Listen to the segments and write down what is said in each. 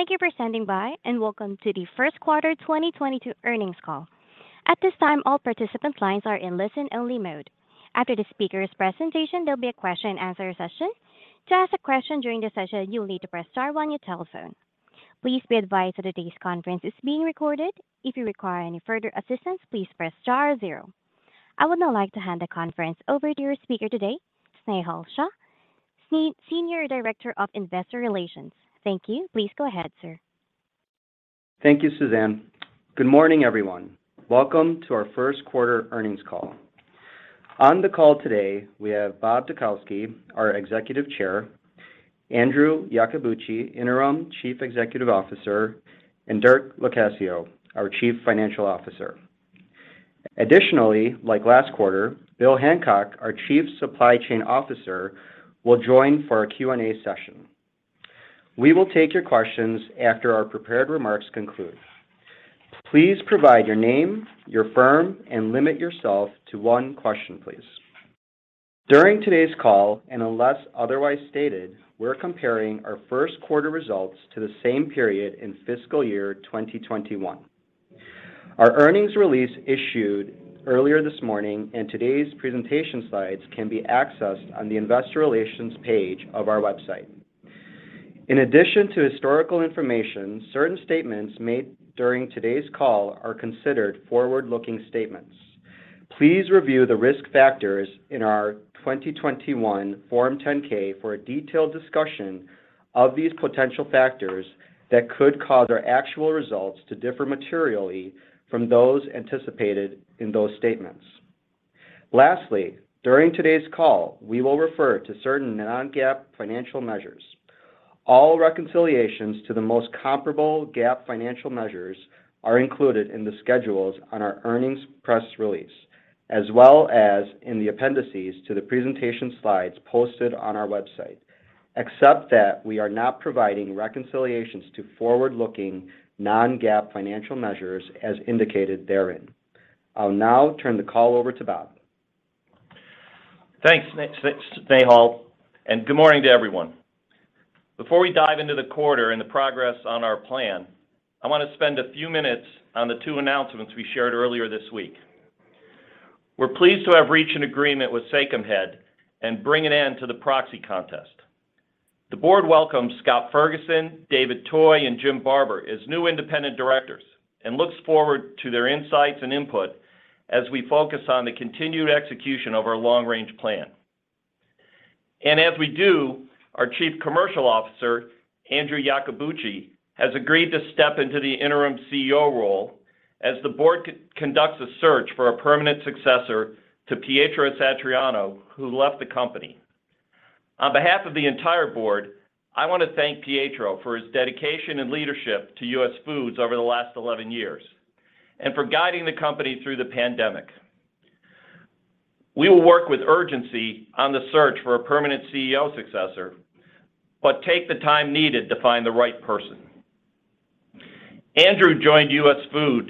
Thank you for standing by, and welcome to the First Quarter 2022 Earnings Call. At this time, all participants' lines are in listen-only mode. After the speaker's presentation, there'll be a question and answer session. To ask a question during the session, you'll need to press star one on your telephone. Please be advised that today's conference is being recorded. If you require any further assistance, please press star zero. I would now like to hand the conference over to your speaker today, Snehal Shah, Senior Director of Investor Relations. Thank you. Please go ahead, sir. Thank you, Suzanne. Good morning, everyone. Welcome to our First Quarter Earnings Call. On the call today, we have Bob Dutkowsky, our Executive Chairman, Andrew Iacobucci, Interim Chief Executive Officer, and Dirk Locascio, our Chief Financial Officer. Additionally, like last quarter, Bill Hancock, our Chief Supply Chain Officer, will join for our Q&A session. We will take your questions after our prepared remarks conclude. Please provide your name, your firm, and limit yourself to one question, please. During today's call, and unless otherwise stated, we're comparing our first quarter results to the same period in fiscal year 2021. Our earnings release issued earlier this morning and today's presentation slides can be accessed on the investor relations page of our website. In addition to historical information, certain statements made during today's call are considered forward-looking statements. Please review the risk factors in our 2021 Form 10-K for a detailed discussion of these potential factors that could cause our actual results to differ materially from those anticipated in those statements. Lastly, during today's call, we will refer to certain non-GAAP financial measures. All reconciliations to the most comparable GAAP financial measures are included in the schedules on our earnings press release, as well as in the appendices to the presentation slides posted on our website. Except that we are not providing reconciliations to forward-looking non-GAAP financial measures as indicated therein. I'll now turn the call over to Bob. Thanks, Snehal, and good morning to everyone. Before we dive into the quarter and the progress on our plan, I wanna spend a few minutes on the two announcements we shared earlier this week. We're pleased to have reached an agreement with Sachem Head and bring an end to the proxy contest. The board welcomes Scott Ferguson, David Toy, and Jim Barber as new Independent Directors and looks forward to their insights and input as we focus on the continued execution of our long-range plan. As we do, our Chief Commercial Officer, Andrew Iacobucci, has agreed to step into the interim CEO role as the board conducts a search for a permanent successor to Pietro Satriano, who left the company. On behalf of the entire board, I want to thank Pietro for his dedication and leadership to US Foods over the last 11 years and for guiding the company through the pandemic. We will work with urgency on the search for a permanent CEO successor, but take the time needed to find the right person. Andrew joined US Foods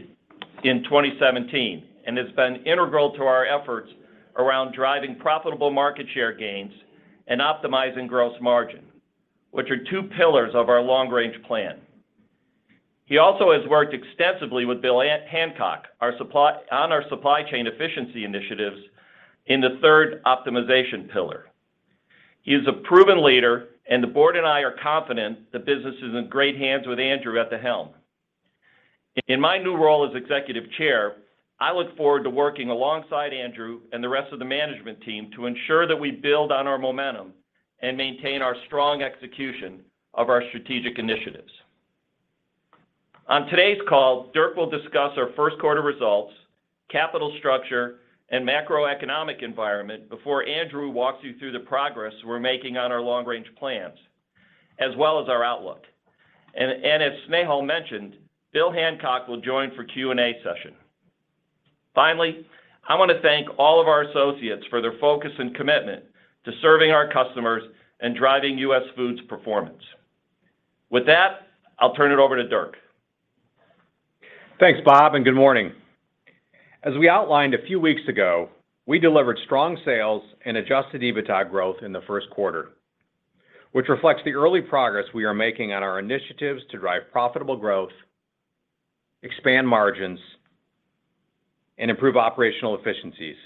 in 2017 and has been integral to our efforts around driving profitable market share gains and optimizing gross margin, which are two pillars of our long-range plan. He also has worked extensively with Bill Hancock on our supply chain efficiency initiatives in the third optimization pillar. He is a proven leader and the board and I are confident the business is in great hands with Andrew at the helm. In my new role as executive chair, I look forward to working alongside Andrew and the rest of the management team to ensure that we build on our momentum and maintain our strong execution of our strategic initiatives. On today's call, Dirk will discuss our first quarter results, capital structure, and macroeconomic environment before Andrew walks you through the progress we're making on our long-range plans, as well as our outlook. As Snehal mentioned, Bill Hancock will join for Q&A session. Finally, I wanna thank all of our associates for their focus and commitment to serving our customers and driving US Foods' performance. With that, I'll turn it over to Dirk. Thanks, Bob, and good morning. As we outlined a few weeks ago, we delivered strong sales and adjusted EBITDA growth in the first quarter, which reflects the early progress we are making on our initiatives to drive profitable growth, expand margins, and improve operational efficiencies.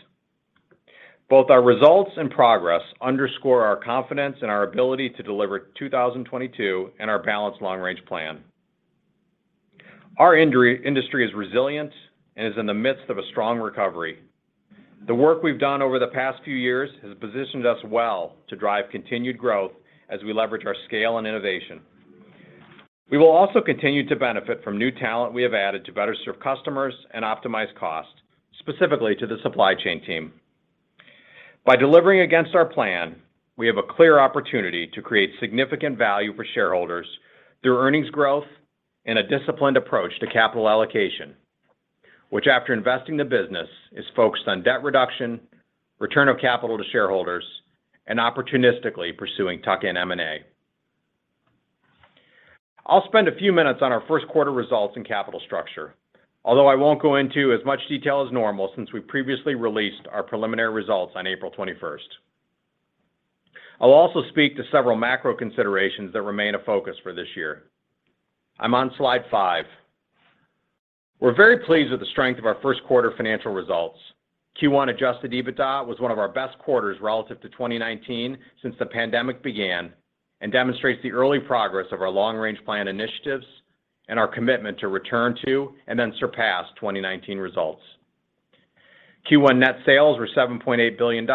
Both our results and progress underscore our confidence in our ability to deliver 2022 and our balanced long-range plan. Our industry is resilient and is in the midst of a strong recovery. The work we've done over the past few years has positioned us well to drive continued growth as we leverage our scale and innovation. We will also continue to benefit from new talent we have added to better serve customers and optimize cost, specifically to the supply chain team. By delivering against our plan, we have a clear opportunity to create significant value for shareholders through earnings growth and a disciplined approach to capital allocation, which after investing the business, is focused on debt reduction, return of capital to shareholders, and opportunistically pursuing tuck-in M&A. I'll spend a few minutes on our first quarter results and capital structure, although I won't go into as much detail as normal since we previously released our preliminary results on April 21st. I'll also speak to several macro considerations that remain a focus for this year. I'm on slide five. We're very pleased with the strength of our first quarter financial results. Q1 adjusted EBITDA was one of our best quarters relative to 2019 since the pandemic began and demonstrates the early progress of our long-range plan initiatives and our commitment to return to and then surpass 2019 results. Q1 net sales were $7.8 billion,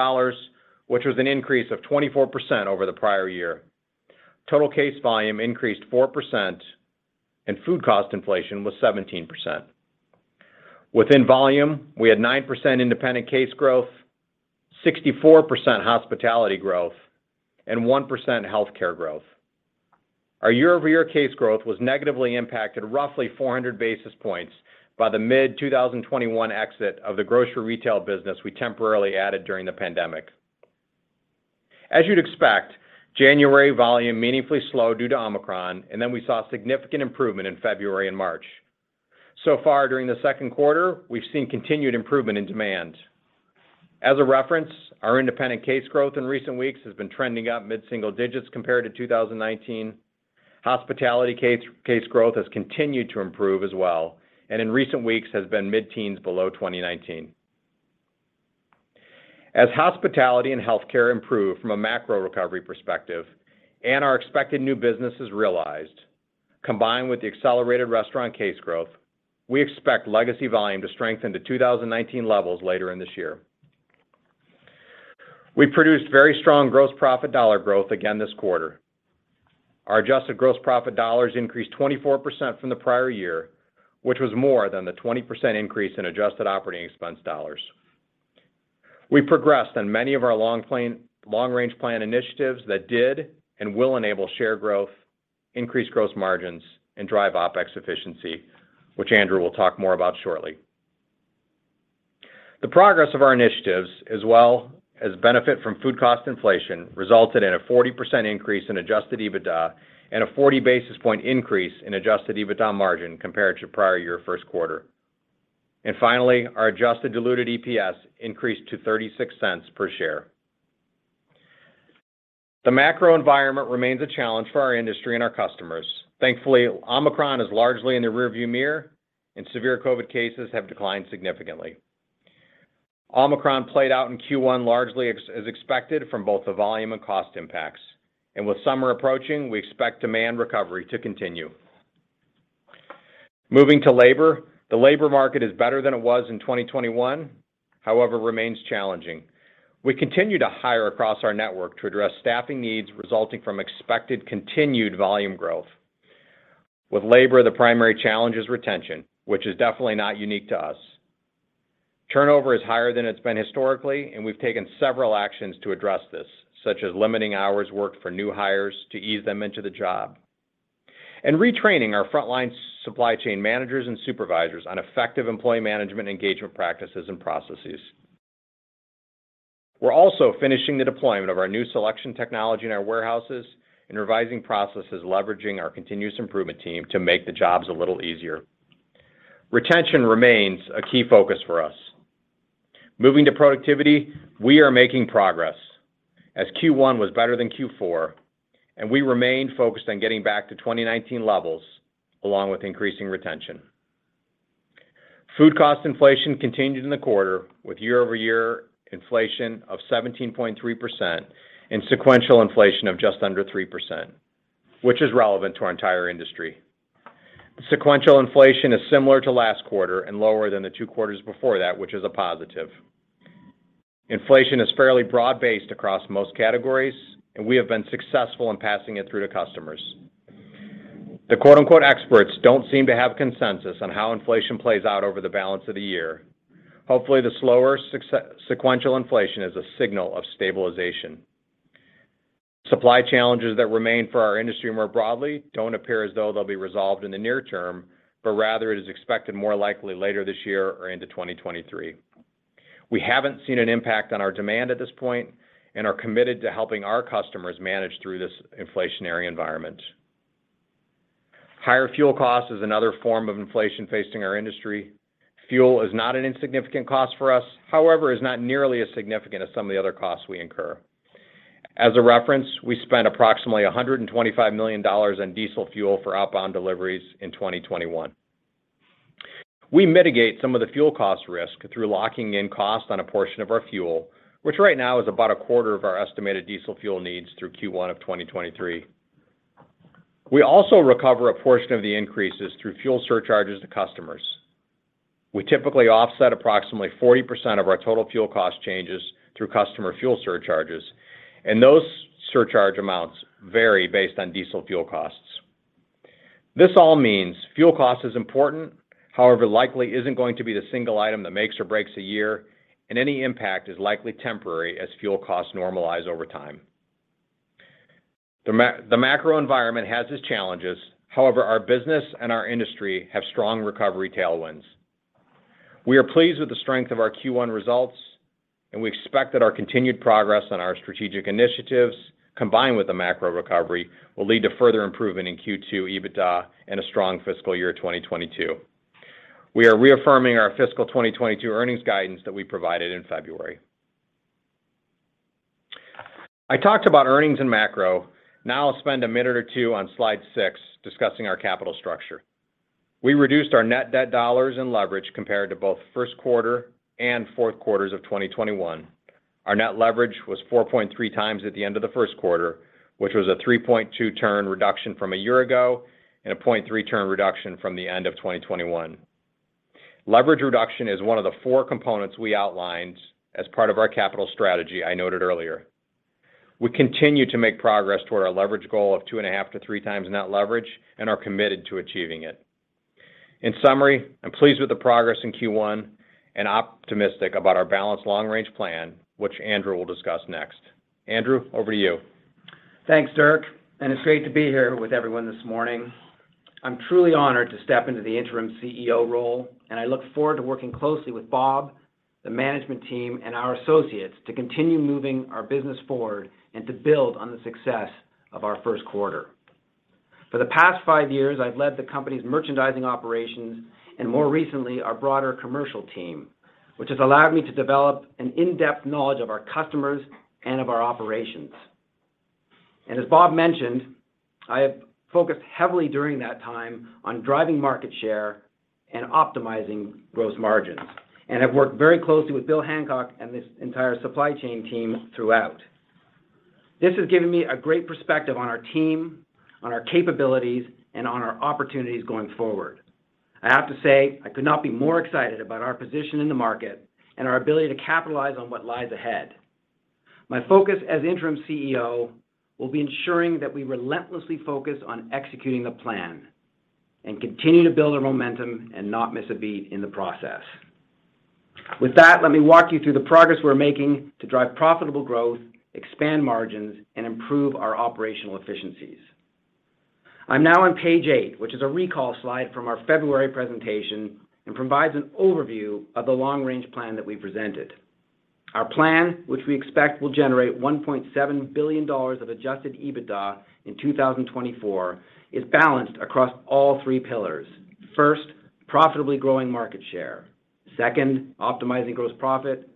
which was an increase of 24% over the prior year. Total case volume increased 4% and food cost inflation was 17%. Within volume, we had 9% independent case growth, 64% hospitality growth, and 1% healthcare growth. Our year-over-year case growth was negatively impacted roughly 400 basis points by the mid-2021 exit of the grocery retail business we temporarily added during the pandemic. As you'd expect, January volume meaningfully slowed due to Omicron, and then we saw significant improvement in February and March. So far during the second quarter, we've seen continued improvement in demand. As a reference, our independent case growth in recent weeks has been trending up mid-single digits compared to 2019. Hospitality case growth has continued to improve as well, and in recent weeks has been mid-teens below 2019. As hospitality and healthcare improve from a macro recovery perspective and our expected new business is realized, combined with the accelerated restaurant case growth, we expect legacy volume to strengthen to 2019 levels later in this year. We produced very strong gross profit dollar growth again this quarter. Our adjusted gross profit dollars increased 24% from the prior year, which was more than the 20% increase in adjusted operating expense dollars. We progressed on many of our long-range plan initiatives that did and will enable share growth, increase gross margins, and drive OpEx efficiency, which Andrew will talk more about shortly. The progress of our initiatives as well as benefit from food cost inflation resulted in a 40% increase in adjusted EBITDA and a 40 basis point increase in adjusted EBITDA margin compared to prior-year first quarter. Finally, our adjusted diluted EPS increased to $0.36 per share. The macro environment remains a challenge for our industry and our customers. Thankfully, Omicron is largely in the rearview mirror and severe COVID cases have declined significantly. Omicron played out in Q1 largely as expected from both the volume and cost impacts. With summer approaching, we expect demand recovery to continue. Moving to labor, the labor market is better than it was in 2021, however, it remains challenging. We continue to hire across our network to address staffing needs resulting from expected continued volume growth. With labor, the primary challenge is retention, which is definitely not unique to us. Turnover is higher than it's been historically, and we've taken several actions to address this, such as limiting hours worked for new hires to ease them into the job and retraining our frontline supply chain managers and supervisors on effective employee management engagement practices and processes. We're also finishing the deployment of our new selection technology in our warehouses and revising processes leveraging our continuous improvement team to make the jobs a little easier. Retention remains a key focus for us. Moving to productivity, we are making progress as Q1 was better than Q4, and we remain focused on getting back to 2019 levels along with increasing retention. Food cost inflation continued in the quarter with year-over-year inflation of 17.3% and sequential inflation of just under 3%, which is relevant to our entire industry. The sequential inflation is similar to last quarter and lower than the two quarters before that, which is a positive. Inflation is fairly broad-based across most categories, and we have been successful in passing it through to customers. The quote, unquote, "experts" don't seem to have consensus on how inflation plays out over the balance of the year. Hopefully, the slower sequential inflation is a signal of stabilization. Supply challenges that remain for our industry more broadly don't appear as though they'll be resolved in the near term, but rather it is expected more likely later this year or into 2023. We haven't seen an impact on our demand at this point and are committed to helping our customers manage through this inflationary environment. Higher fuel cost is another form of inflation facing our industry. Fuel is not an insignificant cost for us; however, it is not nearly as significant as some of the other costs we incur. As a reference, we spent approximately $125 million on diesel fuel for outbound deliveries in 2021. We mitigate some of the fuel cost risk through locking in cost on a portion of our fuel, which right now is about a quarter of our estimated diesel fuel needs through Q1 of 2023. We also recover a portion of the increases through fuel surcharges to customers. We typically offset approximately 40% of our total fuel cost changes through customer fuel surcharges, and those surcharge amounts vary based on diesel fuel costs. This all means fuel cost is important, however, likely isn't going to be the single item that makes or breaks a year, and any impact is likely temporary as fuel costs normalize over time. The macro environment has its challenges, however, our business and our industry have strong recovery tailwinds. We are pleased with the strength of our Q1 results, and we expect that our continued progress on our strategic initiatives, combined with the macro recovery, will lead to further improvement in Q2 EBITDA and a strong fiscal year 2022. We are reaffirming our fiscal 2022 earnings guidance that we provided in February. I talked about earnings and macro. Now I'll spend a minute or two on slide six discussing our capital structure. We reduced our net debt dollars and leverage compared to both first quarter and fourth quarter of 2021. Our net leverage was 4.3x at the end of the first quarter, which was a 3.2-turn reduction from a year ago and a 0.3-turn reduction from the end of 2021. Leverage reduction is one of the four components we outlined as part of our capital strategy I noted earlier. We continue to make progress toward our leverage goal of 2.5-3x net leverage and are committed to achieving it. In summary, I'm pleased with the progress in Q1 and optimistic about our balanced long-range plan, which Andrew will discuss next. Andrew, over to you. Thanks, Dirk, and it's great to be here with everyone this morning. I'm truly honored to step into the interim CEO role, and I look forward to working closely with Bob, the management team, and our associates to continue moving our business forward and to build on the success of our first quarter. For the past five years, I've led the company's merchandising operations and more recently, our broader commercial team, which has allowed me to develop an in-depth knowledge of our customers and of our operations. As Bob mentioned, I have focused heavily during that time on driving market share and optimizing gross margins, and have worked very closely with Bill Hancock and this entire supply chain team throughout. This has given me a great perspective on our team, on our capabilities, and on our opportunities going forward. I have to say, I could not be more excited about our position in the market and our ability to capitalize on what lies ahead. My focus as interim CEO will be ensuring that we relentlessly focus on executing the plan and continue to build our momentum and not miss a beat in the process. With that, let me walk you through the progress we're making to drive profitable growth, expand margins, and improve our operational efficiencies. I'm now on page eight, which is a recall slide from our February presentation and provides an overview of the long-range plan that we presented. Our plan, which we expect will generate $1.7 billion of adjusted EBITDA in 2024, is balanced across all three pillars. First, profitably growing market share. Second, optimizing gross profit.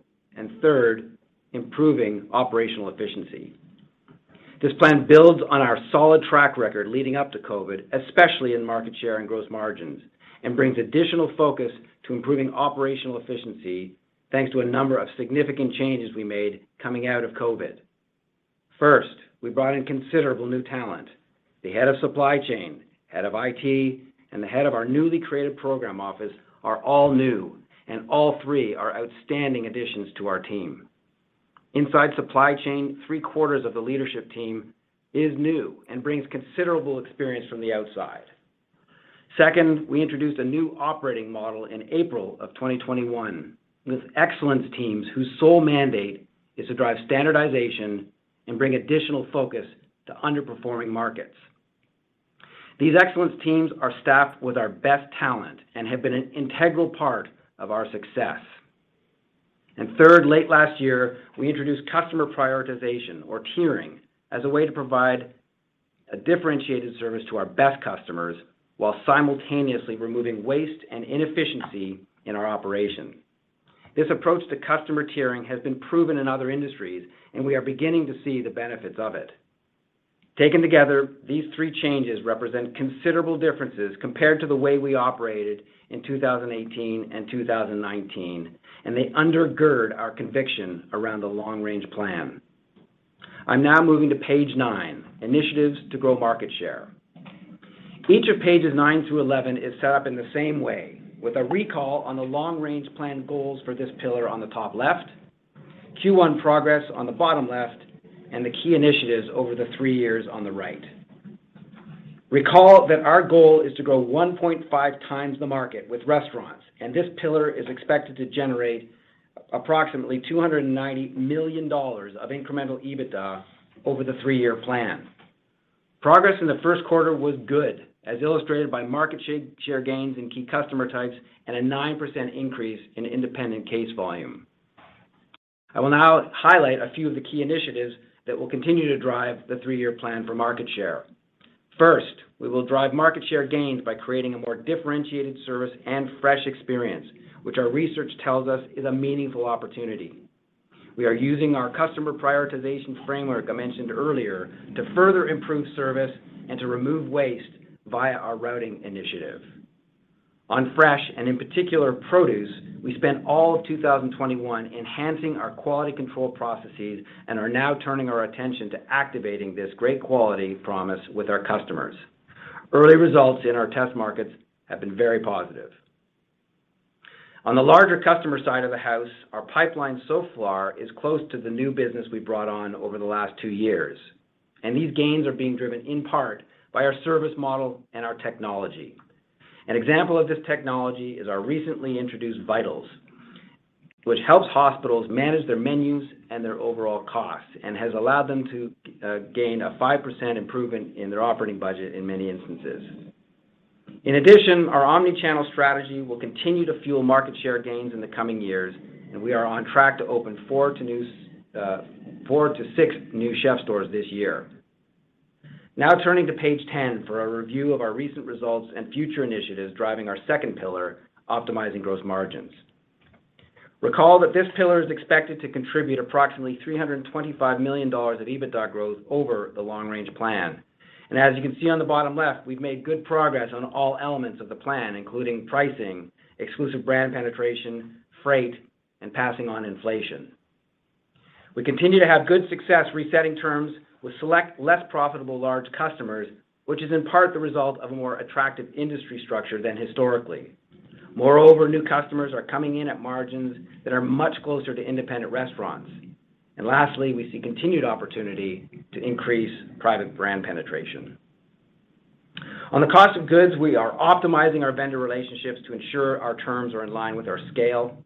Third, improving operational efficiency. This plan builds on our solid track record leading up to COVID, especially in market share and gross margins, and brings additional focus to improving operational efficiency thanks to a number of significant changes we made coming out of COVID. First, we brought in considerable new talent. The head of supply chain, head of IT, and the head of our newly created program office are all new, and all three are outstanding additions to our team. Inside supply chain, three-quarters of the leadership team is new and brings considerable experience from the outside. Second, we introduced a new operating model in April of 2021 with excellence teams whose sole mandate is to drive standardization and bring additional focus to underperforming markets. These excellence teams are staffed with our best talent and have been an integral part of our success. Third, late last year, we introduced customer prioritization or tiering as a way to provide a differentiated service to our best customers while simultaneously removing waste and inefficiency in our operations. This approach to customer tiering has been proven in other industries, and we are beginning to see the benefits of it. Taken together, these three changes represent considerable differences compared to the way we operated in 2018 and 2019, and they undergird our conviction around the long-range plan. I'm now moving to page nine, Initiatives to Grow Market Share. Each of pages nine through 11 is set up in the same way, with a recall on the long-range plan goals for this pillar on the top left, Q1 progress on the bottom left, and the key initiatives over the three years on the right. Recall that our goal is to grow 1.5x the market with restaurants, and this pillar is expected to generate approximately $290 million of incremental EBITDA over the three-year plan. Progress in the first quarter was good, as illustrated by market share gains in key customer types and a 9% increase in independent case volume. I will now highlight a few of the key initiatives that will continue to drive the three-year plan for market share. First, we will drive market share gains by creating a more differentiated service and fresh experience, which our research tells us is a meaningful opportunity. We are using our customer prioritization framework I mentioned earlier to further improve service and to remove waste via our routing initiative. On fresh, and in particular, produce, we spent all of 2021 enhancing our quality control processes and are now turning our attention to activating this great quality promise with our customers. Early results in our test markets have been very positive. On the larger customer side of the house, our pipeline so far is close to the new business we brought on over the last two years, and these gains are being driven in part by our service model and our technology. An example of this technology is our recently introduced Vitals, which helps hospitals manage their menus and their overall costs and has allowed them to gain a 5% improvement in their operating budget in many instances. In addition, our omni-channel strategy will continue to fuel market share gains in the coming years, and we are on track to open four-six new CHEF'STOREs this year. Now turning to page 10 for a review of our recent results and future initiatives driving our second pillar, optimizing gross margins. Recall that this pillar is expected to contribute approximately $325 million of EBITDA growth over the long-range plan. As you can see on the bottom left, we've made good progress on all elements of the plan, including pricing, exclusive brand penetration, freight, and passing on inflation. We continue to have good success resetting terms with select less profitable large customers, which is in part the result of a more attractive industry structure than historically. Moreover, new customers are coming in at margins that are much closer to independent restaurants. Lastly, we see continued opportunity to increase private brand penetration. On the cost of goods, we are optimizing our vendor relationships to ensure our terms are in line with our scale.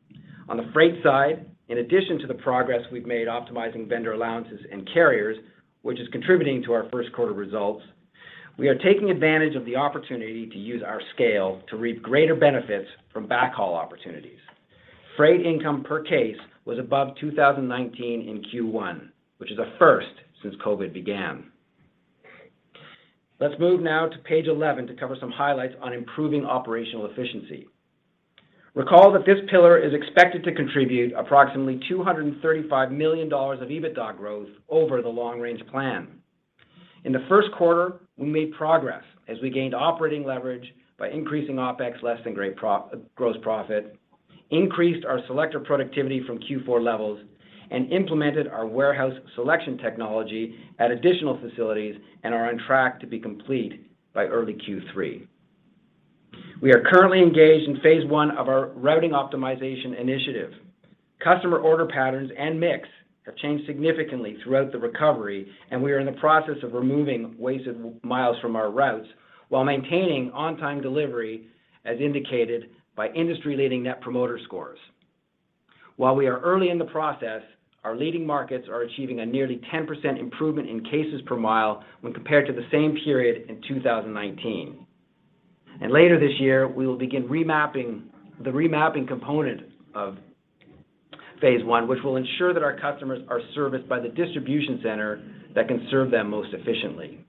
On the freight side, in addition to the progress we've made optimizing vendor allowances and carriers, which is contributing to our first quarter results, we are taking advantage of the opportunity to use our scale to reap greater benefits from backhaul opportunities. Freight income per case was above 2019 in Q1, which is a first since COVID began. Let's move now to page 11 to cover some highlights on improving operational efficiency. Recall that this pillar is expected to contribute approximately $235 million of EBITDA growth over the long range plan. In the first quarter, we made progress as we gained operating leverage by increasing OpEx less than gross profit, increased our selector productivity from Q4 levels, and implemented our warehouse selection technology at additional facilities and are on track to be complete by early Q3. We are currently engaged in phase I of our routing optimization initiative. Customer order patterns and mix have changed significantly throughout the recovery, and we are in the process of removing wasted miles from our routes while maintaining on-time delivery, as indicated by industry-leading net promoter scores. While we are early in the process, our leading markets are achieving a nearly 10% improvement in cases per mile when compared to the same period in 2019. Later this year, we will begin remapping, the remapping component of phase I, which will ensure that our customers are serviced by the distribution center that can serve them most efficiently.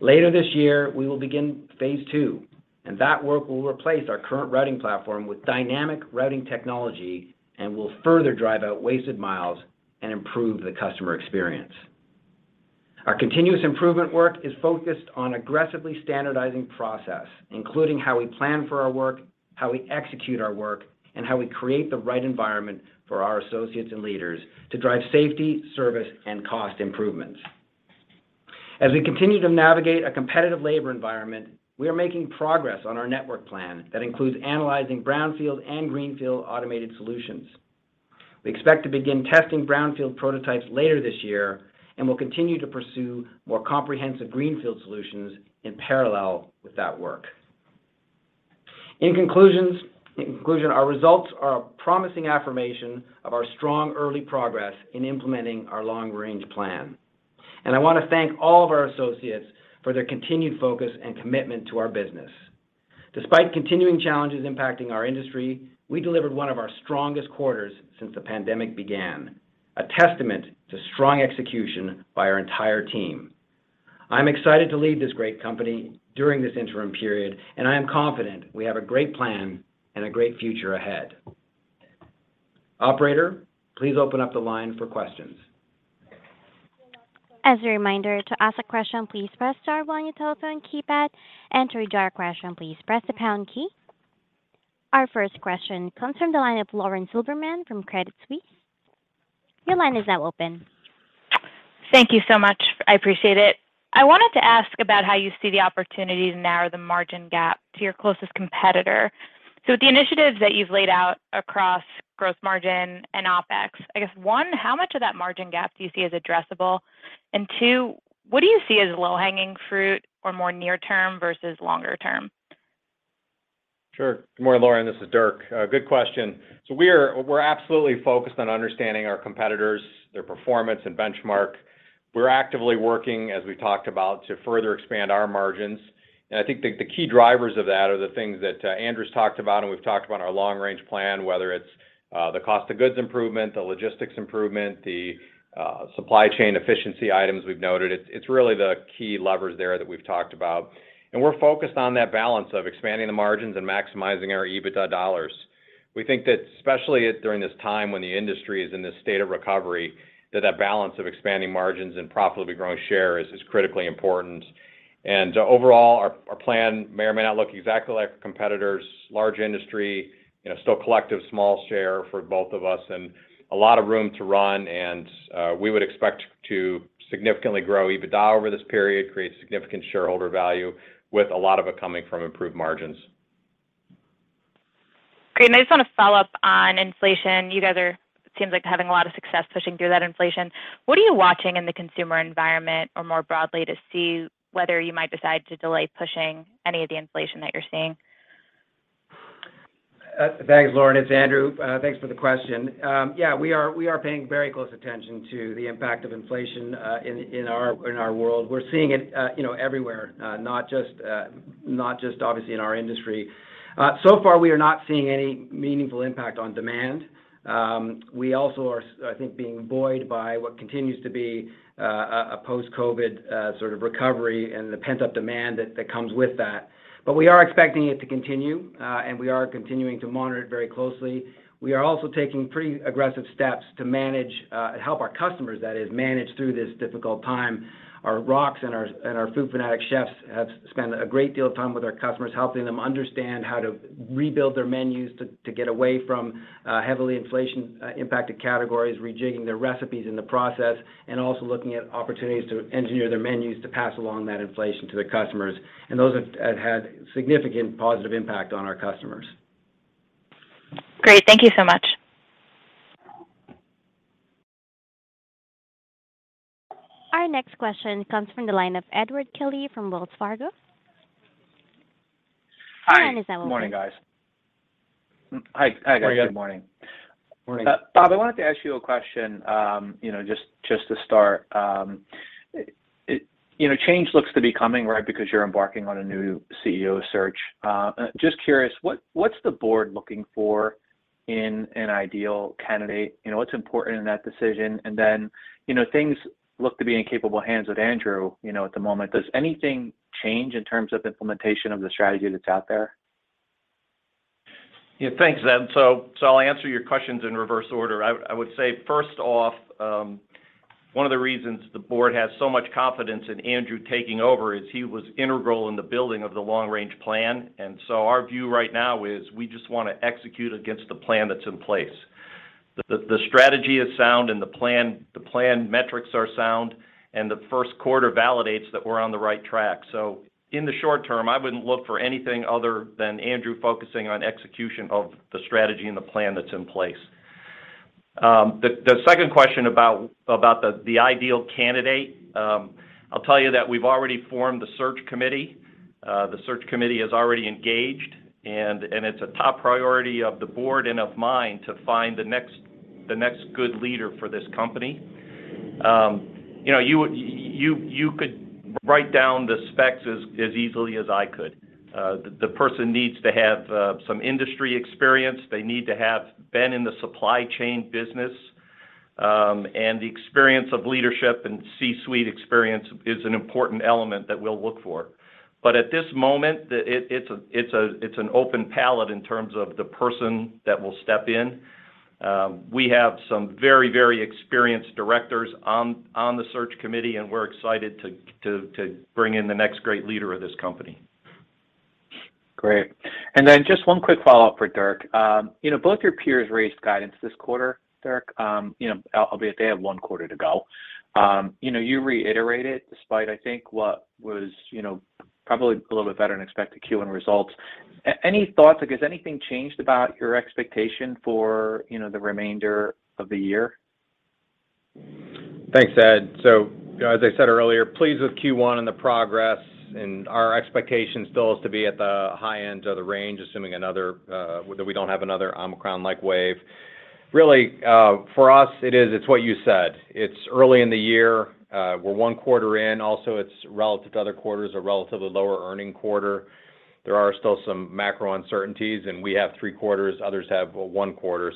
Later this year, we will begin phase II, and that work will replace our current routing platform with dynamic routing technology and will further drive out wasted miles and improve the customer experience. Our continuous improvement work is focused on aggressively standardizing process, including how we plan for our work, how we execute our work, and how we create the right environment for our associates and leaders to drive safety, service, and cost improvements. As we continue to navigate a competitive labor environment, we are making progress on our network plan that includes analyzing brownfield and greenfield automated solutions. We expect to begin testing brownfield prototypes later this year, and we'll continue to pursue more comprehensive greenfield solutions in parallel with that work. In conclusion, our results are a promising affirmation of our strong early progress in implementing our long-range plan. I want to thank all of our associates for their continued focus and commitment to our business. Despite continuing challenges impacting our industry, we delivered one of our strongest quarters since the pandemic began, a testament to strong execution by our entire team. I'm excited to lead this great company during this interim period, and I am confident we have a great plan and a great future ahead. Operator, please open up the line for questions. As a reminder, to ask a question, please press star on your telephone keypad. To withdraw your question, please press the pound key. Our first question comes from the line of Lauren Silberman from Credit Suisse. Your line is now open. Thank you so much. I appreciate it. I wanted to ask about how you see the opportunity to narrow the margin gap to your closest competitor. The initiatives that you've laid out across growth margin and OpEx, I guess, one, how much of that margin gap do you see as addressable? Two, what do you see as low-hanging fruit or more near term versus longer term? Sure. Good morning, Lauren, this is Dirk. Good question. We're absolutely focused on understanding our competitors, their performance and benchmark. We're actively working, as we talked about, to further expand our margins. I think the key drivers of that are the things that Andrew's talked about and we've talked about in our long-range plan, whether it's the cost of goods improvement, the logistics improvement, the supply chain efficiency items we've noted. It's really the key levers there that we've talked about. We're focused on that balance of expanding the margins and maximizing our EBITDA dollars. We think that especially during this time when the industry is in this state of recovery, that balance of expanding margins and profitably growing share is critically important. Overall, our plan may or may not look exactly like competitors, large industry, you know, still collective small share for both of us and a lot of room to run. We would expect to significantly grow EBITDA over this period, create significant shareholder value with a lot of it coming from improved margins. Great. I just wanna follow up on inflation. You guys are, it seems like, having a lot of success pushing through that inflation. What are you watching in the consumer environment or more broadly to see whether you might decide to delay pushing any of the inflation that you're seeing? Thanks, Lauren. It's Andrew. Thanks for the question. Yeah, we are paying very close attention to the impact of inflation in our world. We're seeing it, you know, everywhere, not just obviously in our industry. So far, we are not seeing any meaningful impact on demand. We also are, I think, being buoyed by what continues to be a post-COVID sort of recovery and the pent-up demand that comes with that. We are expecting it to continue, and we are continuing to monitor it very closely. We are also taking pretty aggressive steps to help our customers manage through this difficult time. Our reps and our Food Fanatics Chefs have spent a great deal of time with our customers, helping them understand how to rebuild their menus to get away from heavily inflation-impacted categories, rejigging their recipes in the process, and also looking at opportunities to engineer their menus to pass along that inflation to their customers. Those have had significant positive impact on our customers. Great. Thank you so much. Our next question comes from the line of Edward Kelly from Wells Fargo. Hi. Your line is now open. Good morning, guys. Hi. Hi, guys. Good morning. Good morning. Bob, I wanted to ask you a question, you know, just to start. You know, change looks to be coming, right, because you're embarking on a new CEO search. Just curious, what's the board looking for in an ideal candidate? You know, what's important in that decision? Then, you know, things look to be in capable hands with Andrew, you know, at the moment. Does anything change in terms of implementation of the strategy that's out there? Yeah, thanks, Ed. I'll answer your questions in reverse order. I would say, first off, one of the reasons the board has so much confidence in Andrew taking over is he was integral in the building of the long-range plan. Our view right now is we just wanna execute against the plan that's in place. The strategy is sound, and the plan metrics are sound, and the first quarter validates that we're on the right track. In the short term, I wouldn't look for anything other than Andrew focusing on execution of the strategy and the plan that's in place. The second question about the ideal candidate, I'll tell you that we've already formed the search committee. The search committee is already engaged and it's a top priority of the board and of mine to find the next good leader for this company. You know, you could write down the specs as easily as I could. The person needs to have some industry experience. They need to have been in the supply chain business. The experience of leadership and C-suite experience is an important element that we'll look for. At this moment, it's an open palette in terms of the person that will step in. We have some very experienced directors on the search committee, and we're excited to bring in the next great leader of this company. Great. Just one quick follow-up for Dirk. You know, both your peers raised guidance this quarter, Dirk. You know, albeit they have one quarter to go. You know, you reiterated despite, I think, what was, you know, probably a little bit better than expected Q1 results. Any thoughts? Like, has anything changed about your expectation for, you know, the remainder of the year? Thanks, Ed. As I said earlier, pleased with Q1 and the progress, and our expectation still is to be at the high end of the range, assuming that we don't have another Omicron-like wave. Really, for us, it is, it's what you said. It's early in the year. We're one quarter in. Also, it's relative to other quarters, a relatively lower-earnings quarter. There are still some macro uncertainties, and we have three quarters, others have one quarter.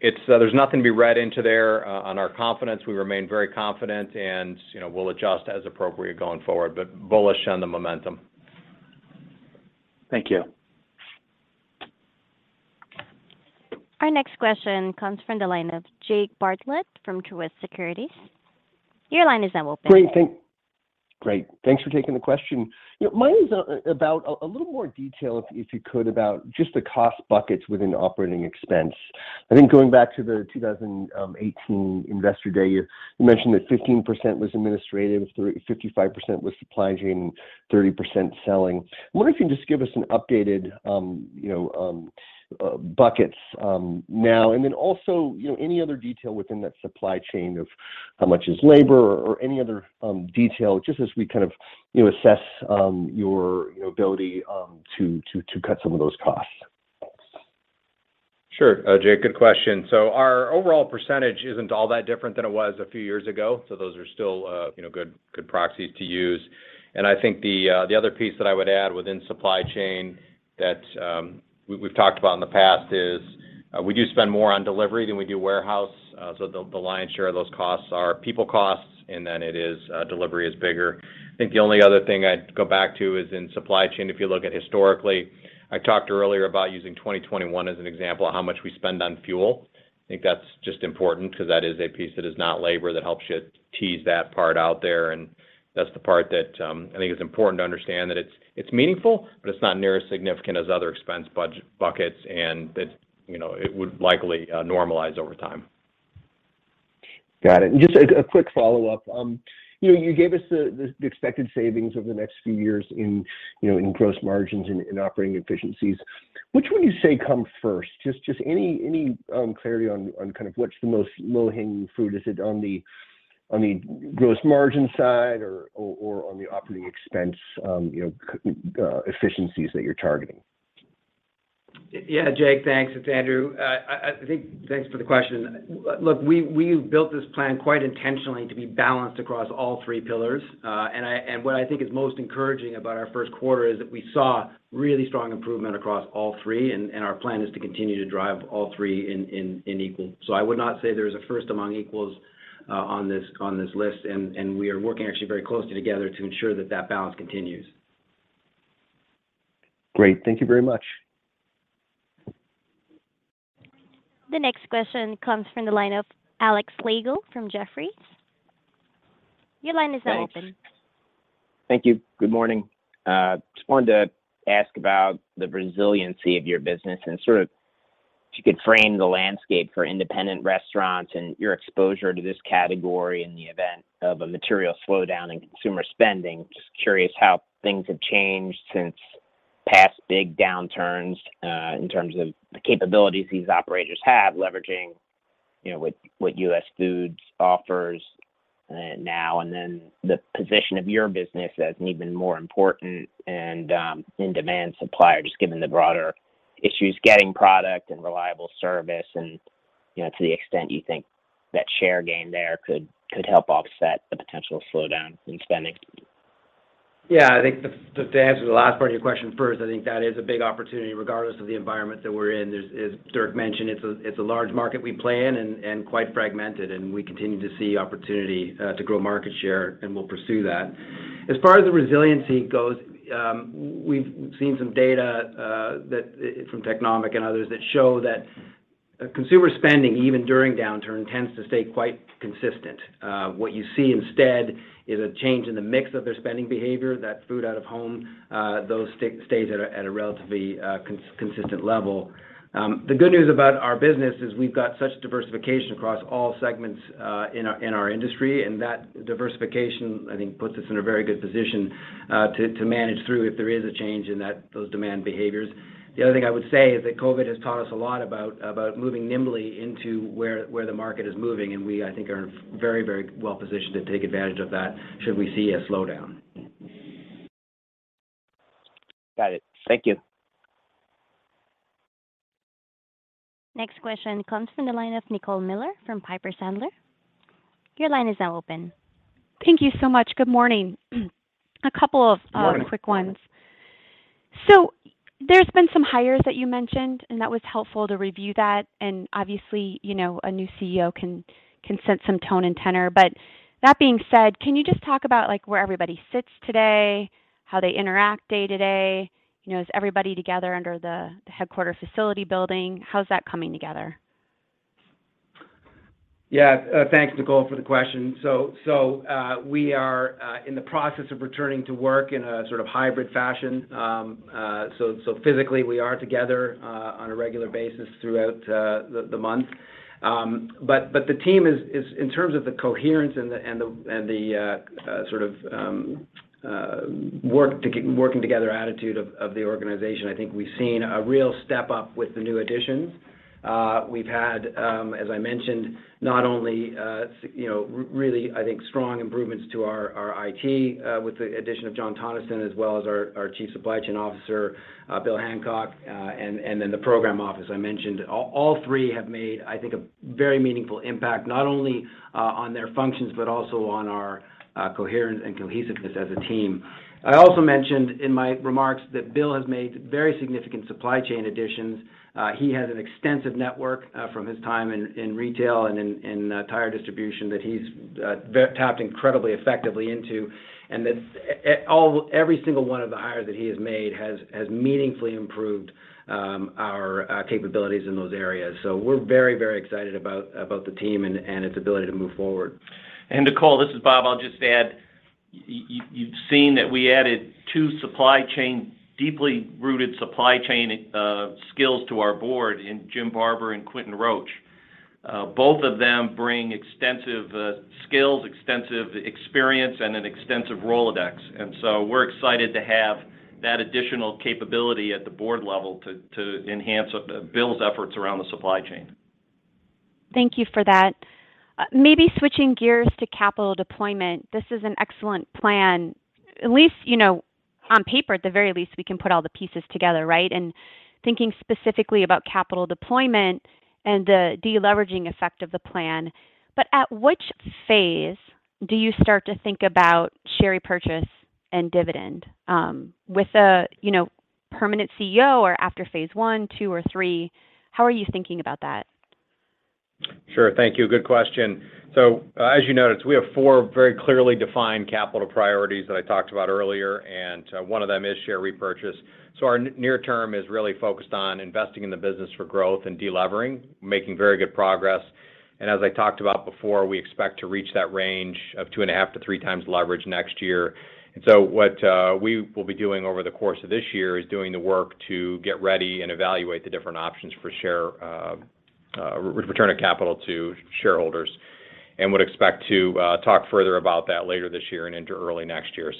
It's a there's nothing to be read into there on our confidence. We remain very confident and, you know, we'll adjust as appropriate going forward, but bullish on the momentum. Thank you. Our next question comes from the line of Jake Bartlett from Truist Securities. Your line is now open. Great. Thanks for taking the question. You know, mine is about a little more detail, if you could, about just the cost buckets within operating expense. I think going back to the 2018 Investor Day, you mentioned that 15% was administrative, 55% was supply chain, and 30% selling. I wonder if you can just give us an updated buckets now. Then also, you know, any other detail within that supply chain of how much is labor or any other detail, just as we kind of, you know, assess your, you know, ability to cut some of those costs. Thanks. Sure. Jake, good question. Our overall percentage isn't all that different than it was a few years ago, so those are still good proxies to use. I think the other piece that I would add within supply chain that we've talked about in the past is we do spend more on delivery than we do warehouse. The lion's share of those costs are people costs, and then it is delivery is bigger. I think the only other thing I'd go back to is in supply chain, if you look at it historically, I talked earlier about using 2021 as an example of how much we spend on fuel. I think that's just important because that is a piece that is not labor that helps you tease that part out there. That's the part that I think is important to understand that it's meaningful, but it's not near as significant as other expense buckets and that, you know, it would likely normalize over time. Got it. Just a quick follow-up. You know, you gave us the expected savings over the next few years in you know in gross margins and operating efficiencies. Which would you say come first? Just any clarity on kind of what's the most low-hanging fruit. Is it on the gross margin side or on the operating expense efficiencies that you're targeting? Yeah, Jake. Thanks. It's Andrew. I think thanks for the question. Look, we built this plan quite intentionally to be balanced across all three pillars. What I think is most encouraging about our first quarter is that we saw really strong improvement across all three, and our plan is to continue to drive all three equally. I would not say there is a first among equals, on this list, and we are working actually very closely together to ensure that balance continues. Great. Thank you very much. The next question comes from the line of Alex Slagle from Jefferies. Your line is now open. Thanks. Thank you. Good morning. Just wanted to ask about the resiliency of your business and sort of if you could frame the landscape for independent restaurants and your exposure to this category in the event of a material slowdown in consumer spending. Just curious how things have changed since past big downturns, in terms of the capabilities these operators have leveraging, you know, with what US Foods offers, now and then the position of your business as an even more important and in demand supplier, just given the broader issues getting product and reliable service and, you know, to the extent you think that share gain there could help offset the potential slowdown in spending. Yeah, I think to answer the last part of your question first, I think that is a big opportunity regardless of the environment that we're in. As Dirk mentioned, it's a large market we play in and quite fragmented, and we continue to see opportunity to grow market share, and we'll pursue that. As far as the resiliency goes, we've seen some data from Technomic and others that show that consumer spending, even during downturn, tends to stay quite consistent. What you see instead is a change in the mix of their spending behavior, that food out-of-home stays at a relatively consistent level. The good news about our business is we've got such diversification across all segments in our industry, and that diversification, I think, puts us in a very good position to manage through if there is a change in those demand behaviors. The other thing I would say is that COVID has taught us a lot about moving nimbly into where the market is moving, and we, I think, are very, very well positioned to take advantage of that should we see a slowdown. Got it. Thank you. Next question comes from the line of Nicole Miller from Piper Sandler. Your line is now open. Thank you so much. Good morning. A couple of Good morning. Quick ones. There's been some hires that you mentioned, and that was helpful to review that. Obviously, you know, a new CEO can set some tone and tenor. That being said, can you just talk about, like, where everybody sits today, how they interact day to day? You know, is everybody together under the headquarters facility building? How's that coming together? Yeah. Thanks, Nicole, for the question. We are in the process of returning to work in a sort of hybrid fashion. Physically we are together on a regular basis throughout the month. But the team is in terms of the coherence and the sort of working together attitude of the organization, I think we've seen a real step up with the new additions. We've had, as I mentioned, not only you know, really, I think, strong improvements to our IT with the addition of John Tonnison as well as our Chief Supply Chain Officer, Bill Hancock, and then the program office I mentioned. All three have made, I think, a very meaningful impact, not only on their functions, but also on our coherence and cohesiveness as a team. I also mentioned in my remarks that Bill has made very significant supply chain additions. He has an extensive network from his time in retail and in tire distribution that he's tapped incredibly effectively into. Every single one of the hires that he has made has meaningfully improved our capabilities in those areas. We're very excited about the team and its ability to move forward. Nicole, this is Bob. I'll just add, you've seen that we added two deeply rooted supply chain skills to our board in Jim Barber and Quentin Roach. Both of them bring extensive skills, extensive experience, and an extensive Rolodex. We're excited to have that additional capability at the board level to enhance Bill's efforts around the supply chain. Thank you for that. Maybe switching gears to capital deployment. This is an excellent plan. At least, you know, on paper, at the very least, we can put all the pieces together, right? Thinking specifically about capital deployment and the deleveraging effect of the plan. At which phase do you start to think about share repurchase and dividend? With a, you know, permanent CEO or after phase I, II, or III, how are you thinking about that? Sure. Thank you. Good question. As you noticed, we have four very clearly defined capital priorities that I talked about earlier, and one of them is share repurchase. Our near term is really focused on investing in the business for growth and delevering, making very good progress. As I talked about before, we expect to reach that range of 2.5-3x leverage next year. What we will be doing over the course of this year is doing the work to get ready and evaluate the different options for share return of capital to shareholders, and would expect to talk further about that later this year and into early next year.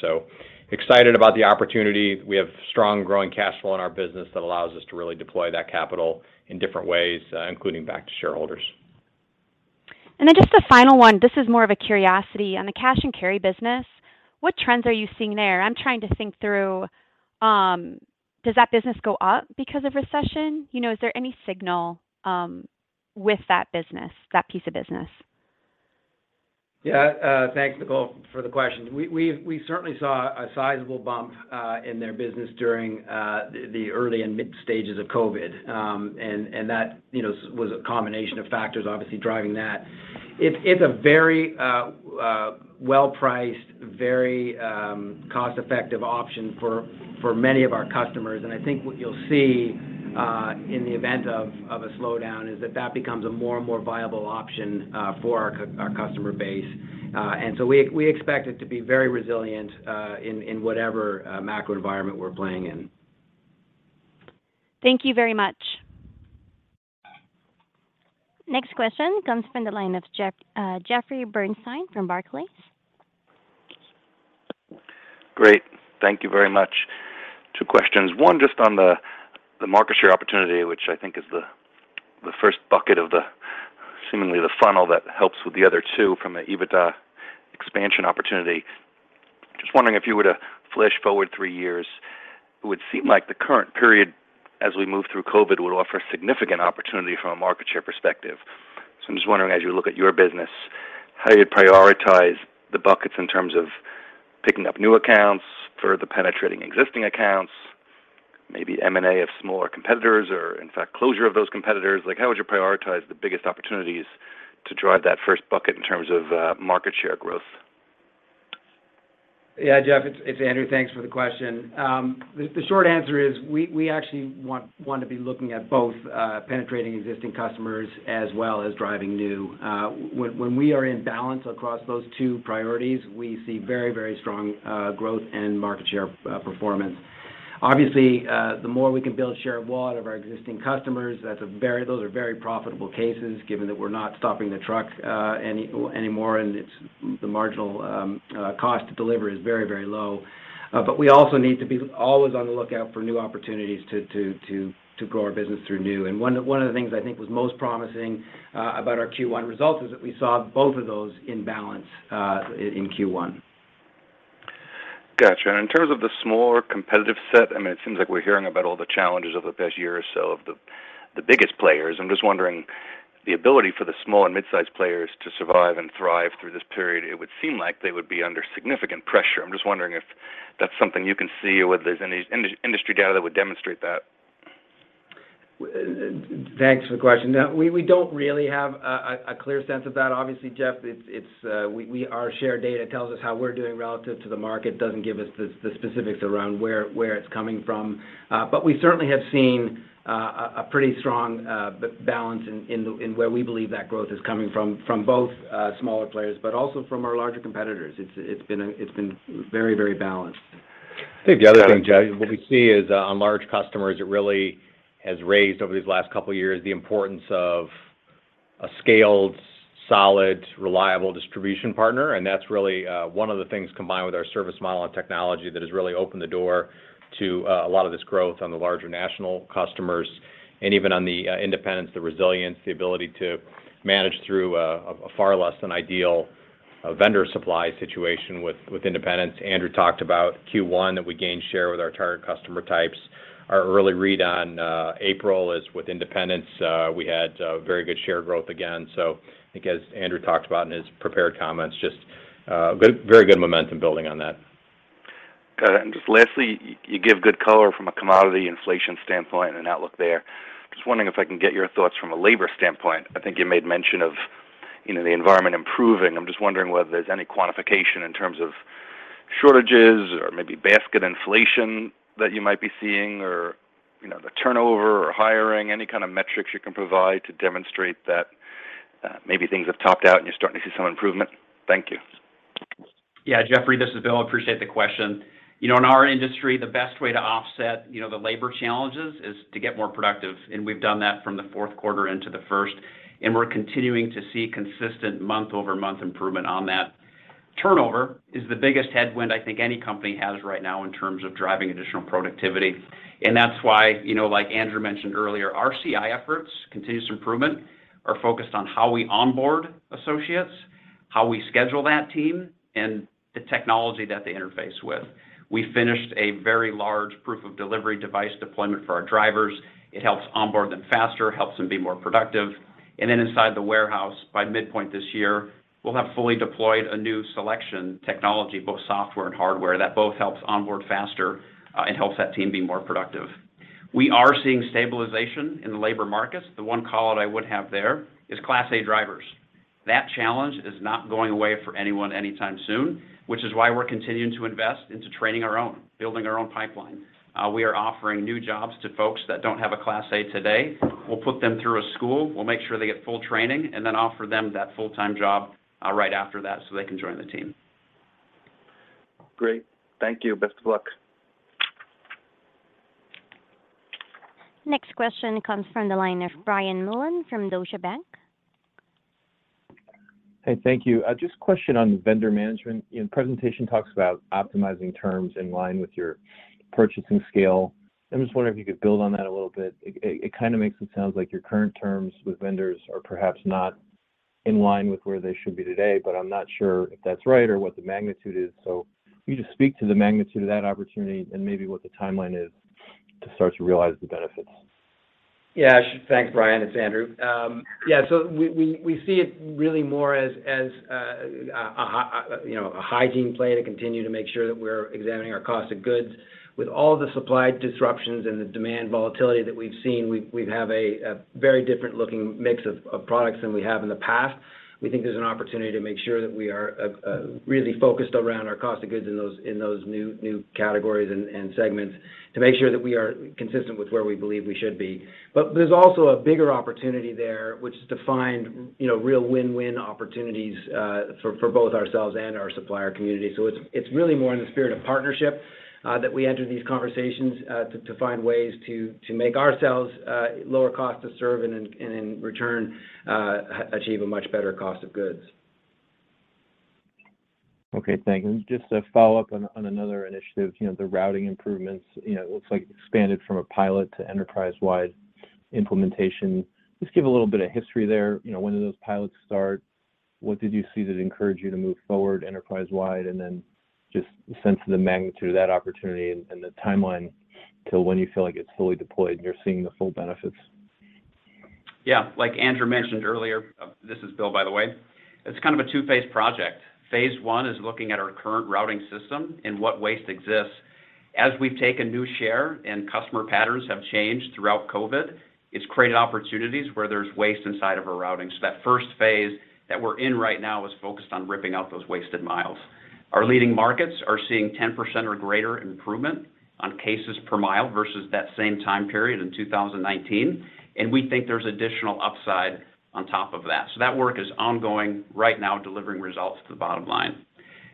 Excited about the opportunity. We have strong growing cash flow in our business that allows us to really deploy that capital in different ways, including back to shareholders. Just the final one, this is more of a curiosity. On the cash-and-carry business, what trends are you seeing there? I'm trying to think through, does that business go up because of recession? You know, is there any signal, with that business, that piece of business? Yeah. Thanks, Nicole, for the question. We certainly saw a sizable bump in their business during the early and mid stages of COVID. That you know was a combination of factors obviously driving that. It's a very well-priced, very cost-effective option for many of our customers. I think what you'll see in the event of a slowdown is that that becomes a more and more viable option for our customer base. We expect it to be very resilient in whatever macro environment we're playing in. Thank you very much. Next question comes from the line of Jeffrey Bernstein from Barclays. Great. Thank you very much. Two questions. One, just on the market share opportunity, which I think is the first bucket of the seemingly the funnel that helps with the other two from the EBITDA expansion opportunity. Just wondering, if you were to flash forward three years, it would seem like the current period as we move through COVID would offer significant opportunity from a market share perspective. I'm just wondering, as you look at your business, how you'd prioritize the buckets in terms of picking up new accounts, further penetrating existing accounts, maybe M&A of smaller competitors or in fact closure of those competitors. Like, how would you prioritize the biggest opportunities to drive that first bucket in terms of market share growth? Yeah, Jeff, it's Andrew. Thanks for the question. The short answer is we actually want to be looking at both penetrating existing customers as well as driving new. When we are in balance across those two priorities, we see very strong growth and market share performance. Obviously, the more we can build share of wallet of our existing customers, those are very profitable cases given that we're not stopping the truck anymore, and the marginal cost to deliver is very low. But we also need to be always on the lookout for new opportunities to grow our business through new. One of the things I think was most promising about our Q1 results is that we saw both of those in balance in Q1. Gotcha. In terms of the smaller competitive set, I mean, it seems like we're hearing about all the challenges over the past year or so of the biggest players. I'm just wondering, the ability for the small and mid-sized players to survive and thrive through this period, it would seem like they would be under significant pressure. I'm just wondering if that's something you can see or whether there's any industry data that would demonstrate that. Thanks for the question. No, we don't really have a clear sense of that. Obviously, Jeff, it's our share data tells us how we're doing relative to the market. Doesn't give us the specifics around where it's coming from. We certainly have seen a pretty strong balance in where we believe that growth is coming from both smaller players, but also from our larger competitors. It's been very balanced. I think the other thing, Jeff, what we see is, on large customers, it really has raised over these last couple of years the importance of a scaled, solid, reliable distribution partner, and that's really, one of the things combined with our service model and technology that has really opened the door to, a lot of this growth on the larger national customers and even on the, independents, the resilience, the ability to manage through a far less than ideal, vendor supply situation with independents. Andrew talked about Q1, that we gained share with our target customer types. Our early read on April is with independents. We had very good share growth again. I think as Andrew talked about in his prepared comments, just very good momentum building on that. Got it. Just lastly, you give good color from a commodity inflation standpoint and outlook there. Just wondering if I can get your thoughts from a labor standpoint. I think you made mention of, you know, the environment improving. I'm just wondering whether there's any quantification in terms of shortages or maybe basket inflation that you might be seeing or, you know, the turnover or hiring. Any kind of metrics you can provide to demonstrate that maybe things have topped out and you're starting to see some improvement. Thank you. Yeah. Jeffrey, this is Bill. Appreciate the question. You know, in our industry, the best way to offset, you know, the labor challenges is to get more productive, and we've done that from the fourth quarter into the first, and we're continuing to see consistent month-over-month improvement on that. Turnover is the biggest headwind I think any company has right now in terms of driving additional productivity. That's why, you know, like Andrew mentioned earlier, our CI efforts, continuous improvement, are focused on how we onboard associates, how we schedule that team, and the technology that they interface with. We finished a very large proof of delivery device deployment for our drivers. It helps onboard them faster, helps them be more productive. Inside the warehouse, by midpoint this year, we'll have fully deployed a new selection technology, both software and hardware, that both helps onboard faster and helps that team be more productive. We are seeing stabilization in the labor markets. The one call-out I would have there is Class A drivers. That challenge is not going away for anyone anytime soon, which is why we're continuing to invest into training our own, building our own pipeline. We are offering new jobs to folks that don't have a Class A today. We'll put them through a school. We'll make sure they get full training and then offer them that full-time job right after that, so they can join the team. Great. Thank you. Best of luck. Next question comes from the line of Brian Mullan from Deutsche Bank. Hey, thank you. Just a question on vendor management. In presentation, talks about optimizing terms in line with your purchasing scale. I'm just wondering if you could build on that a little bit. It kind of makes it sound like your current terms with vendors are perhaps not in line with where they should be today, but I'm not sure if that's right or what the magnitude is. Can you just speak to the magnitude of that opportunity and maybe what the timeline is to start to realize the benefits? Yeah. Thanks, Brian. It's Andrew. Yeah, so we see it really more as a hygiene play to continue to make sure that we're examining our cost of goods. With all the supply disruptions and the demand volatility that we've seen, we have a very different looking mix of products than we have in the past. We think there's an opportunity to make sure that we are really focused around our cost of goods in those new categories and segments to make sure that we are consistent with where we believe we should be. There's also a bigger opportunity there, which is to find, you know, real win-win opportunities for both ourselves and our supplier community. It's really more in the spirit of partnership that we enter these conversations to find ways to make ourselves lower cost to serve and in return achieve a much better cost of goods. Okay, thanks. Just a follow-up on another initiative, you know, the routing improvements. You know, it looks like expanded from a pilot to enterprise-wide implementation. Just give a little bit of history there. You know, when did those pilots start? What did you see that encouraged you to move forward enterprise-wide? Just the sense of the magnitude of that opportunity and the timeline to when you feel like it's fully deployed and you're seeing the full benefits. Yeah. Like Andrew mentioned earlier. This is Bill, by the way. It's kind of a two-phase project. Phase I is looking at our current routing system and what waste exists. As we've taken new share and customer patterns have changed throughout COVID, it's created opportunities where there's waste inside of our routing. That first phase that we're in right now is focused on ripping out those wasted miles. Our leading markets are seeing 10% or greater improvement on cases per mile versus that same time period in 2019, and we think there's additional upside on top of that. That work is ongoing right now, delivering results to the bottom line.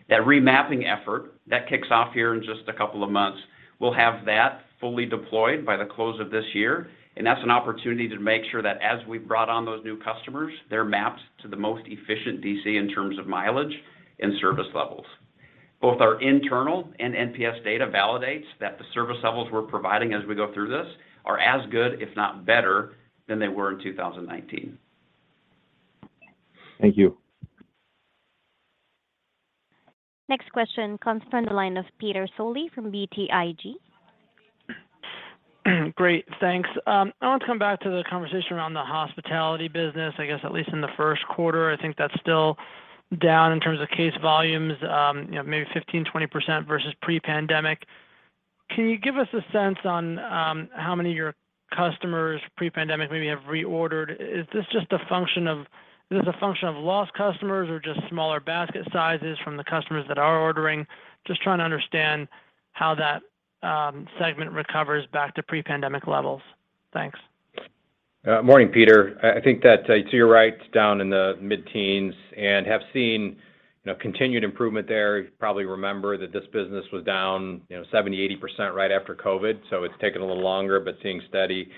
That remapping effort that kicks off here in just a couple of months. We'll have that fully deployed by the close of this year, and that's an opportunity to make sure that as we brought on those new customers, they're mapped to the most efficient DC in terms of mileage and service levels. Both our internal and NPS data validates that the service levels we're providing as we go through this are as good, if not better, than they were in 2019. Thank you. Next question comes from the line of Peter Saleh from BTIG. Great. Thanks. I want to come back to the conversation around the hospitality business. I guess at least in the first quarter, I think that's still down in terms of case volumes, you know, maybe 15%-20% versus pre-pandemic. Can you give us a sense on how many of your customers pre-pandemic maybe have reordered? Is this a function of lost customers or just smaller basket sizes from the customers that are ordering? Just trying to understand how that segment recovers back to pre-pandemic levels. Thanks. Morning, Peter. I think that to your right, down in the mid-teens and have seen, you know, continued improvement there. You probably remember that this business was down, you know, 70%-80% right after COVID. It's taken a little longer, but seeing steady.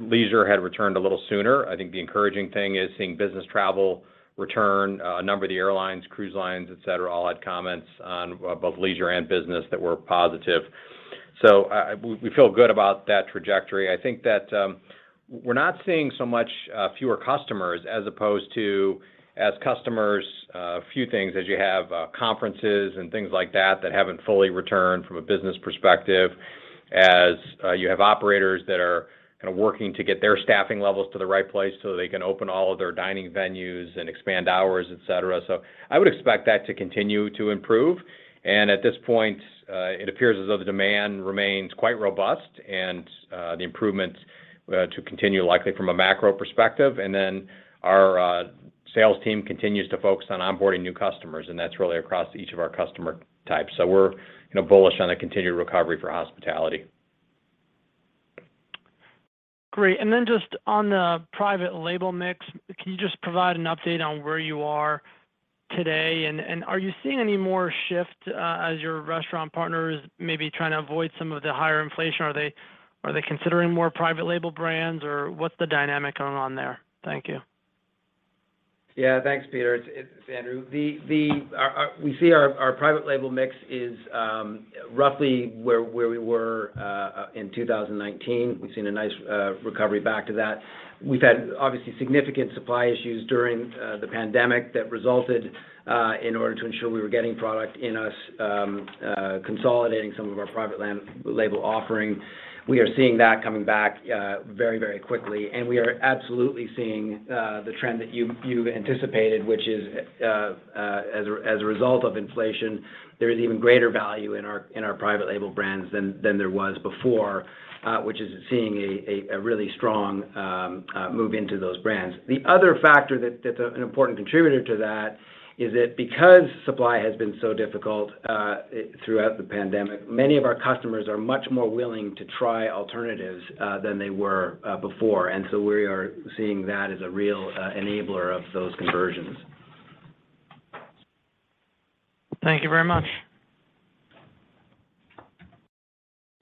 Leisure had returned a little sooner. I think the encouraging thing is seeing business travel return. A number of the airlines, cruise lines, et cetera, all had comments on both leisure and business that were positive. We feel good about that trajectory. I think that we're not seeing so much fewer customers as opposed to as customers a few things as you have conferences and things like that that haven't fully returned from a business perspective, as you have operators that are kind of working to get their staffing levels to the right place so they can open all of their dining venues and expand hours, et cetera. I would expect that to continue to improve. At this point, it appears as though the demand remains quite robust and the improvements to continue likely from a macro perspective. Then our sales team continues to focus on onboarding new customers, and that's really across each of our customer types. We're, you know, bullish on a continued recovery for hospitality. Great. Just on the private label mix, can you just provide an update on where you are today? Are you seeing any more shift, as your restaurant partners may be trying to avoid some of the higher inflation? Are they considering more private label brands, or what's the dynamic going on there? Thank you. Yeah. Thanks, Peter. It's Andrew. We see our private label mix is roughly where we were in 2019. We've seen a nice recovery back to that. We've had, obviously, significant supply issues during the pandemic that resulted in order to ensure we were getting product into us, consolidating some of our private label offering. We are seeing that coming back very quickly, and we are absolutely seeing the trend that you've anticipated, which is, as a result of inflation, there is even greater value in our private label brands than there was before, which is seeing a really strong move into those brands. The other factor that's an important contributor to that is that because supply has been so difficult throughout the pandemic, many of our customers are much more willing to try alternatives than they were before. We are seeing that as a real enabler of those conversions. Thank you very much.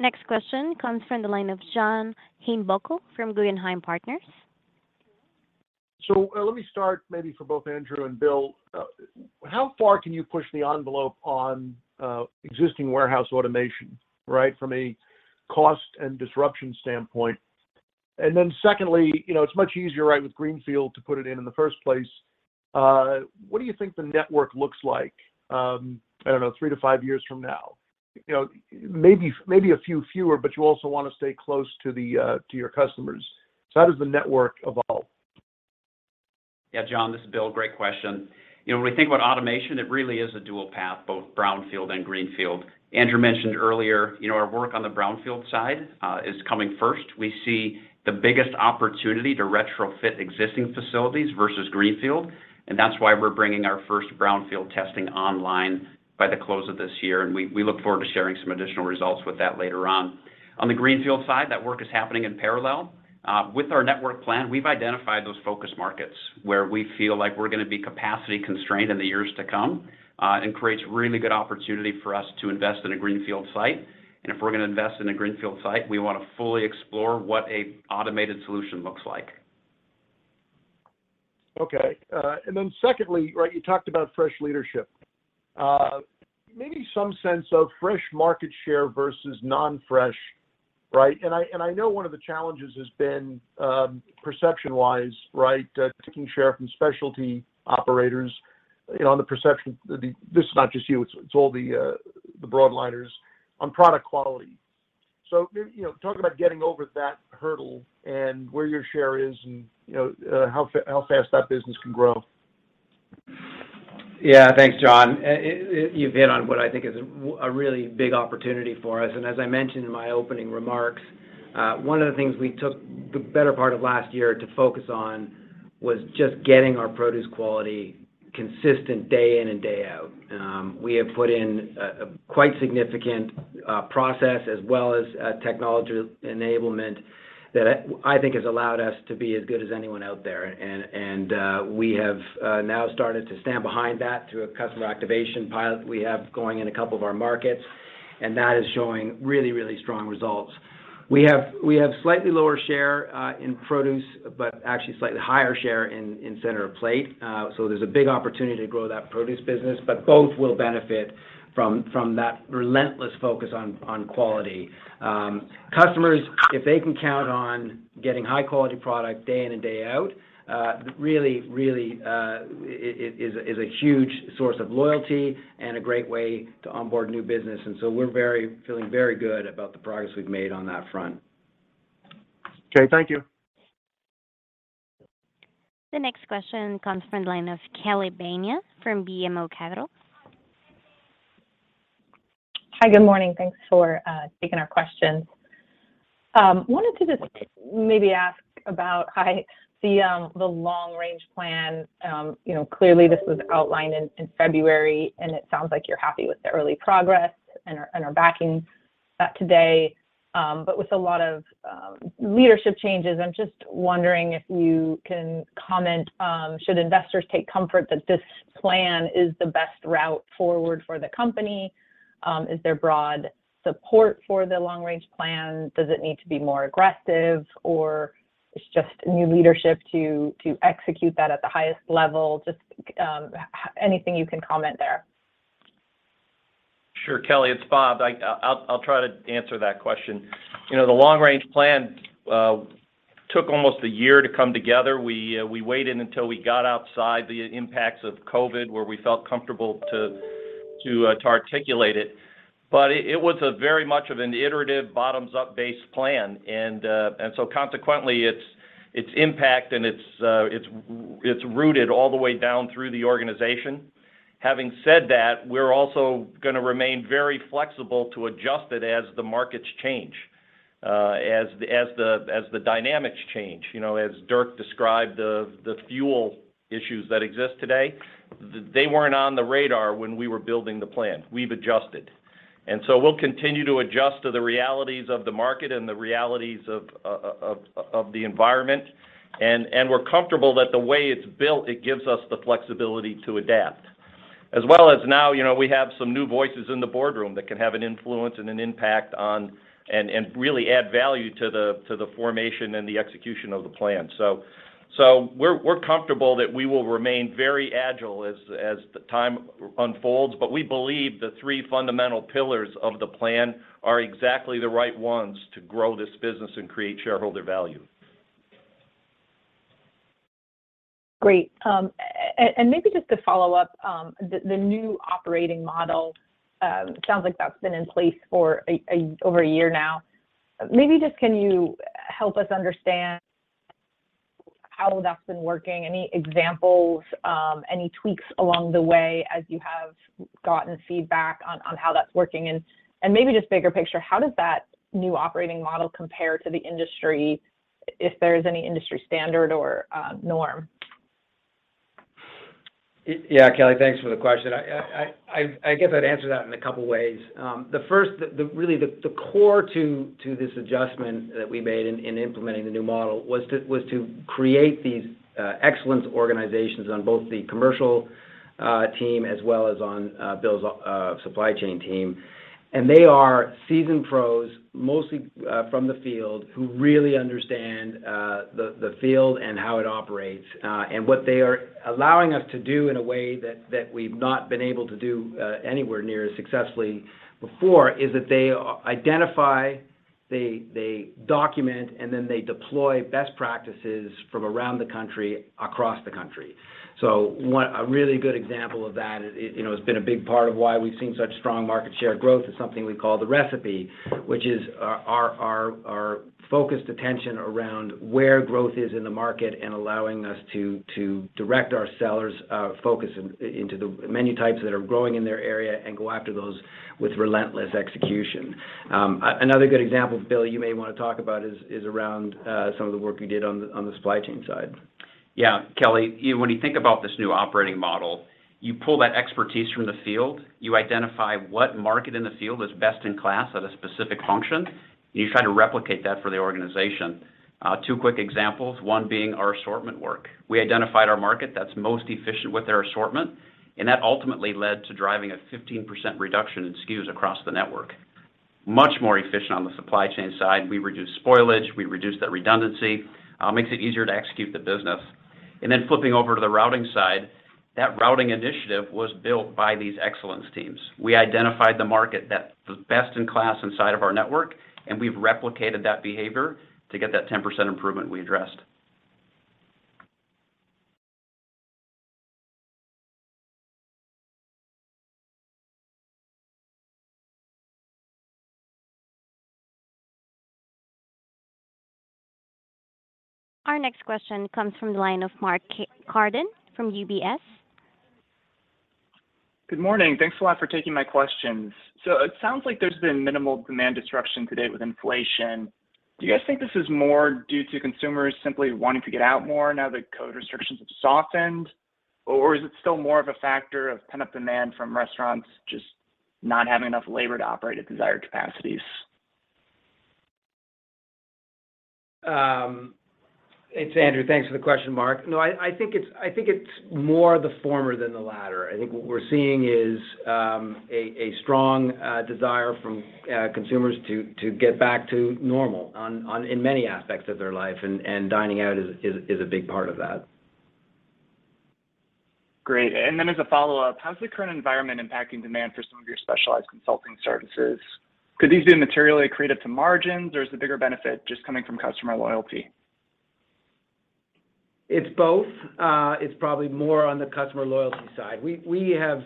Next question comes from the line of John Heinbockel from Guggenheim Partners. Let me start maybe for both Andrew and Bill. How far can you push the envelope on existing warehouse automation, right? From a cost and disruption standpoint. Secondly, you know, it's much easier, right, with greenfield to put it in the first place. What do you think the network looks like, I don't know, three to five years from now? You know, maybe a few fewer, but you also want to stay close to your customers. How does the network evolve? Yeah, John, this is Bill. Great question. You know, when we think about automation, it really is a dual path, both brownfield and greenfield. Andrew mentioned earlier, you know, our work on the brownfield side is coming first. We see the biggest opportunity to retrofit existing facilities versus greenfield, and that's why we're bringing our first brownfield testing online by the close of this year, and we look forward to sharing some additional results with that later on. On the greenfield side, that work is happening in parallel. With our network plan, we've identified those focus markets where we feel like we're gonna be capacity constrained in the years to come, and creates really good opportunity for us to invest in a greenfield site. If we're gonna invest in a greenfield site, we want to fully explore what an automated solution looks like. Okay. Secondly, right, you talked about fresh leadership. Maybe some sense of fresh market share versus non-fresh, right? I know one of the challenges has been perception-wise, right, taking share from specialty operators, you know, on the perception, this is not just you, it's all the broadliners on product quality. You know, talk about getting over that hurdle and where your share is and, you know, how fast that business can grow. Yeah. Thanks, John. You've hit on what I think is a really big opportunity for us. As I mentioned in my opening remarks, one of the things we took the better part of last year to focus on was just getting our produce quality consistent day in and day out. We have put in a quite significant process as well as technology enablement that I think has allowed us to be as good as anyone out there. We have now started to stand behind that through a customer activation pilot we have going in a couple of our markets, and that is showing really, really strong results. We have slightly lower share in produce, but actually slightly higher share in center of plate. There's a big opportunity to grow that produce business, but both will benefit from that relentless focus on quality. Customers, if they can count on getting high quality product day in and day out, really is a huge source of loyalty and a great way to onboard new business. We're feeling very good about the progress we've made on that front. Okay. Thank you. The next question comes from the line of Kelly Bania from BMO Capital. Hi, good morning. Thanks for taking our questions. Wanted to just maybe ask about, I see, the long range plan, you know, clearly this was outlined in February, and it sounds like you're happy with the early progress and are backing that today. But with a lot of leadership changes, I'm just wondering if you can comment, should investors take comfort that this plan is the best route forward for the company? Is there broad support for the long range plan? Does it need to be more aggressive, or it's just new leadership to execute that at the highest level? Just anything you can comment there. Sure. Kelly, it's Bob. I'll try to answer that question. You know, the long range plan took almost a year to come together. We waited until we got outside the impacts of COVID, where we felt comfortable to articulate it, but it was very much of an iterative bottoms-up based plan. Consequently, its impact and it's rooted all the way down through the organization. Having said that, we're also gonna remain very flexible to adjust it as the markets change, as the dynamics change. You know, as Dirk described the fuel issues that exist today, they weren't on the radar when we were building the plan. We've adjusted. We'll continue to adjust to the realities of the market and the realities of the environment. We're comfortable that the way it's built, it gives us the flexibility to adapt. As well as now, you know, we have some new voices in the boardroom that can have an influence and an impact on and really add value to the formation and the execution of the plan. We're comfortable that we will remain very agile as the time unfolds, but we believe the three fundamental pillars of the plan are exactly the right ones to grow this business and create shareholder value. Great. Maybe just to follow up, the new operating model sounds like that's been in place for over a year now. Maybe just can you help us understand how that's been working? Any examples? Any tweaks along the way as you have gotten feedback on how that's working? Maybe just bigger picture, how does that new operating model compare to the industry, if there's any industry standard or norm? Yeah, Kelly, thanks for the question. I guess I'd answer that in a couple ways. The first, really the core to this adjustment that we made in implementing the new model was to create these excellence organizations on both the commercial team as well as on Bill's supply chain team. They are seasoned pros, mostly from the field, who really understand the field and how it operates. What they are allowing us to do in a way that we've not been able to do anywhere near as successfully before is that they identify, document, and then they deploy best practices from around the country, across the country. A really good example of that is, you know, has been a big part of why we've seen such strong market share growth is something we call the Recipe. Which is our focused attention around where growth is in the market and allowing us to direct our sellers focus into the menu types that are growing in their area and go after those with relentless execution. Another good example, Bill, you may wanna talk about is around some of the work you did on the supply chain side. Yeah. Kelly, when you think about this new operating model, you pull that expertise from the field, you identify what market in the field is best in class at a specific function, and you try to replicate that for the organization. Two quick examples. One being our assortment work. We identified our market that's most efficient with their assortment, and that ultimately led to driving a 15% reduction in SKUs across the network. Much more efficient on the supply chain side. We reduced spoilage, we reduced that redundancy, makes it easier to execute the business. Then flipping over to the routing side, that routing initiative was built by these excellence teams. We identified the market that was best in class inside of our network, and we've replicated that behavior to get that 10% improvement we addressed. Our next question comes from the line of Mark Carden from UBS. Good morning. Thanks a lot for taking my questions. It sounds like there's been minimal demand disruption to date with inflation. Do you guys think this is more due to consumers simply wanting to get out more now that COVID restrictions have softened? Or is it still more of a factor of pent-up demand from restaurants just not having enough labor to operate at desired capacities? It's Andrew. Thanks for the question, Mark. No, I think it's more the former than the latter. I think what we're seeing is a strong desire from consumers to get back to normal in many aspects of their life, and dining out is a big part of that. Great. As a follow-up, how's the current environment impacting demand for some of your specialized consulting services? Could these be materially accretive to margins, or is the bigger benefit just coming from customer loyalty? It's both. It's probably more on the customer loyalty side. We have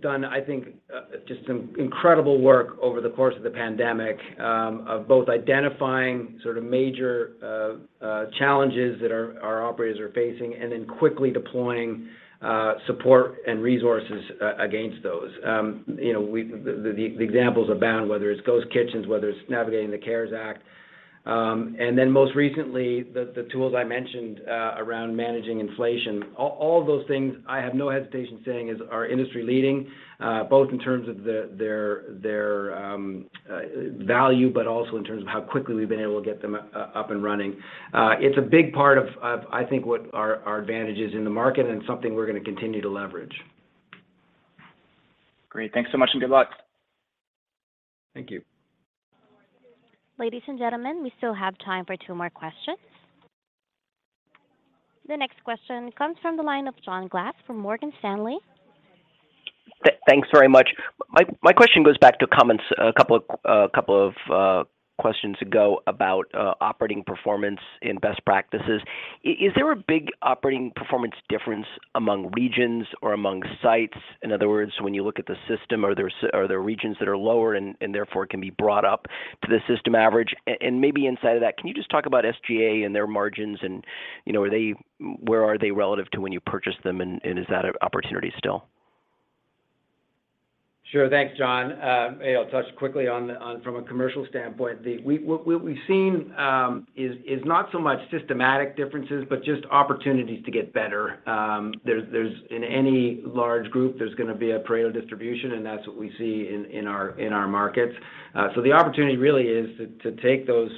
done, I think, just some incredible work over the course of the pandemic, of both identifying sort of major challenges that our operators are facing, and then quickly deploying support and resources against those. You know, the examples abound, whether it's ghost kitchens, whether it's navigating the CARES Act. Most recently, the tools I mentioned around managing inflation. All of those things, I have no hesitation saying are industry leading, both in terms of their value, but also in terms of how quickly we've been able to get them up and running. It's a big part of, I think, what our advantage is in the market and something we're gonna continue to leverage. Great. Thanks so much, and good luck. Thank you. Ladies and gentlemen, we still have time for two more questions. The next question comes from the line of John Glass from Morgan Stanley. Thanks very much. My question goes back to comments a couple of questions ago about operating performance and best practices. Is there a big operating performance difference among regions or among sites? In other words, when you look at the system, are there regions that are lower and therefore can be brought up to the system average? Maybe inside of that, can you just talk about SGA and their margins and, you know, where are they relative to when you purchased them, and is that an opportunity still? Sure. Thanks, John. I'll touch quickly on from a commercial standpoint. What we've seen is not so much systematic differences, but just opportunities to get better. In any large group, there's gonna be a Pareto distribution, and that's what we see in our markets. The opportunity really is to take those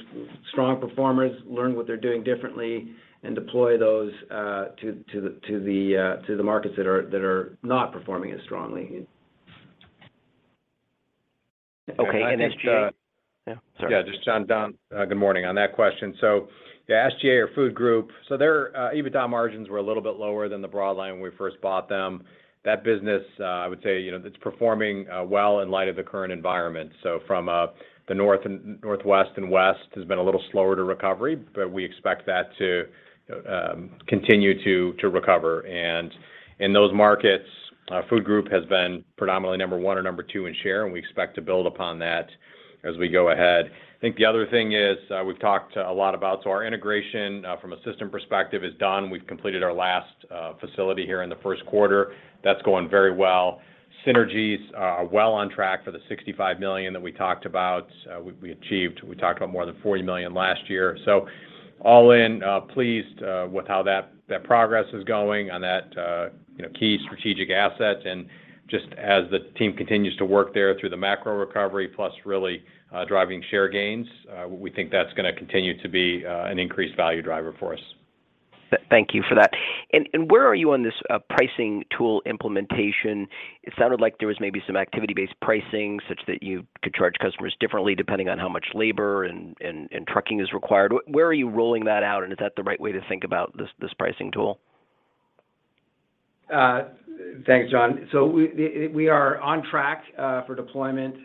strong performers, learn what they're doing differently, and deploy those to the markets that are not performing as strongly. Okay. SGA. Yeah, this is Bill. Yeah. Sorry. Yeah, just John. Good morning. On that question, yeah, SGA's Food Group, their EBITDA margins were a little bit lower than the broad line when we first bought them. That business, I would say, you know, it's performing well in light of the current environment. From the North and Northwest and West has been a little slower to recovery, but we expect that to continue to recover. In those markets, Food Group has been predominantly number one or number two in share, and we expect to build upon that as we go ahead. I think the other thing is, we've talked a lot about our integration from a system perspective is done. We've completed our last facility here in the first quarter. That's going very well. Synergies are well on track for the $65 million that we talked about. We achieved. We talked about more than $40 million last year. All in, pleased with how that progress is going on that, you know, key strategic assets. Just as the team continues to work there through the macro recovery plus really driving share gains, we think that's gonna continue to be an increased value driver for us. Thank you for that. Where are you on this pricing tool implementation? It sounded like there was maybe some activity-based pricing such that you could charge customers differently depending on how much labor and trucking is required. Where are you rolling that out, and is that the right way to think about this pricing tool? Thanks, John. We are on track for deployment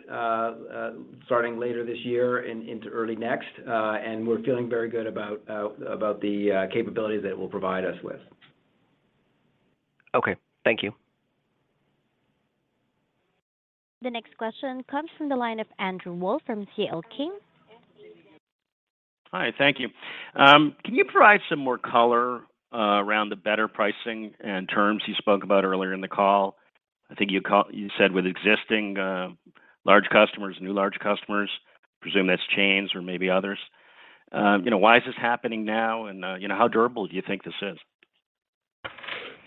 starting later this year and into early next, and we're feeling very good about the capabilities that it will provide us with. Okay. Thank you. The next question comes from the line of Andrew Wolf from C.L. King. Hi, thank you. Can you provide some more color around the better pricing and terms you spoke about earlier in the call? I think you said with existing large customers, new large customers, presume that's chains or maybe others. You know, why is this happening now, and you know, how durable do you think this is?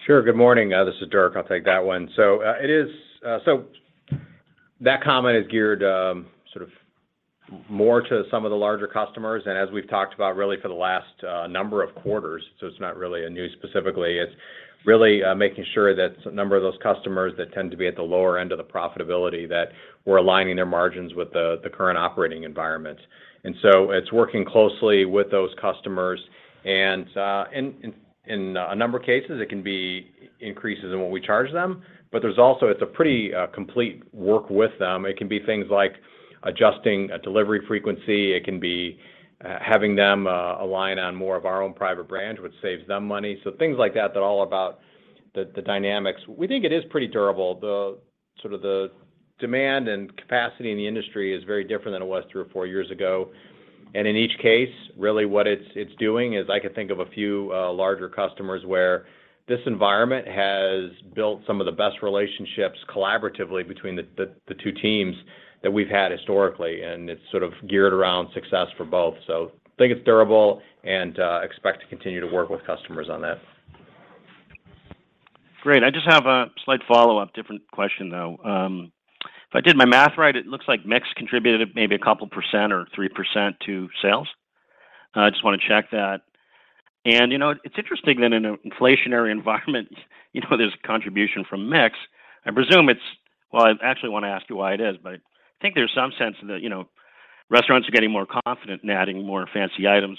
Sure. Good morning. This is Dirk. I'll take that one. That comment is geared, sort of more to some of the larger customers. As we've talked about really for the last number of quarters, it's not really a new specifically. It's really making sure that a number of those customers that tend to be at the lower end of the profitability that we're aligning their margins with the current operating environment. It's working closely with those customers. In a number of cases, it can be increases in what we charge them. There's also. It's a pretty complete work with them. It can be things like adjusting a delivery frequency. It can be having them align on more of our own private brand, which saves them money. Things like that are all about the dynamics. We think it is pretty durable. The sort of demand and capacity in the industry is very different than it was three or four years ago. In each case, really what it's doing is I could think of a few larger customers where this environment has built some of the best relationships collaboratively between the two teams that we've had historically, and it's sort of geared around success for both. I think it's durable and expect to continue to work with customers on that. Great. I just have a slight follow-up, different question, though. If I did my math right, it looks like mix contributed maybe a couple percent or 3% to sales. I just wanna check that. You know, it's interesting that in an inflationary environment, you know, there's contribution from mix. I presume it's. Well, I actually wanna ask you why it is, but I think there's some sense that, you know, restaurants are getting more confident in adding more fancy items.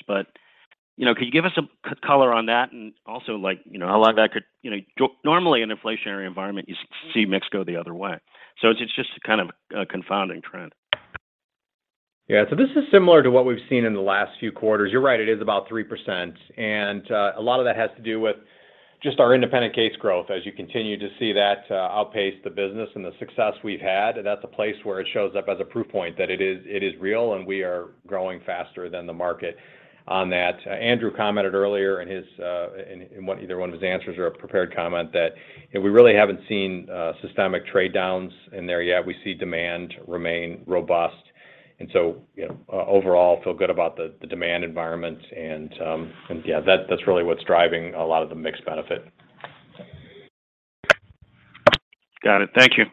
You know, could you give us some color on that and also, like, you know, how long that could. You know, normally in inflationary environment, you see mix go the other way. It's just kind of a confounding trend. Yeah. This is similar to what we've seen in the last few quarters. You're right, it is about 3%. A lot of that has to do with just our independent case growth as you continue to see that outpace the business and the success we've had. That's a place where it shows up as a proof point that it is real, and we are growing faster than the market on that. Andrew commented earlier in one, either one of his answers or a prepared comment that we really haven't seen systemic trade downs in there yet. We see demand remain robust. You know, overall, feel good about the demand environment. Yeah, that's really what's driving a lot of the mix benefit. Got it. Thank you.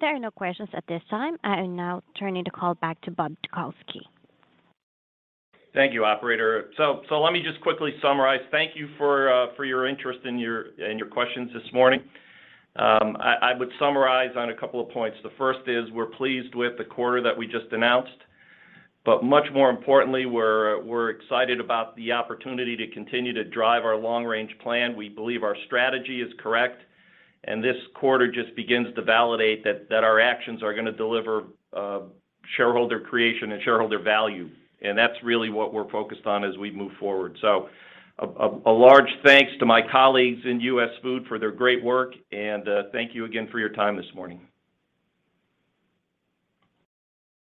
There are no questions at this time. I am now turning the call back to Bob Dutkowsky. Thank you, operator. Let me just quickly summarize. Thank you for your interest and your questions this morning. I would summarize on a couple of points. The first is we're pleased with the quarter that we just announced. Much more importantly, we're excited about the opportunity to continue to drive our long-range plan. We believe our strategy is correct, and this quarter just begins to validate that our actions are gonna deliver shareholder creation and shareholder value. That's really what we're focused on as we move forward. A large thanks to my colleagues in US Foods for their great work, and thank you again for your time this morning.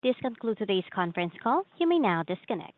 This concludes today's conference call. You may now disconnect.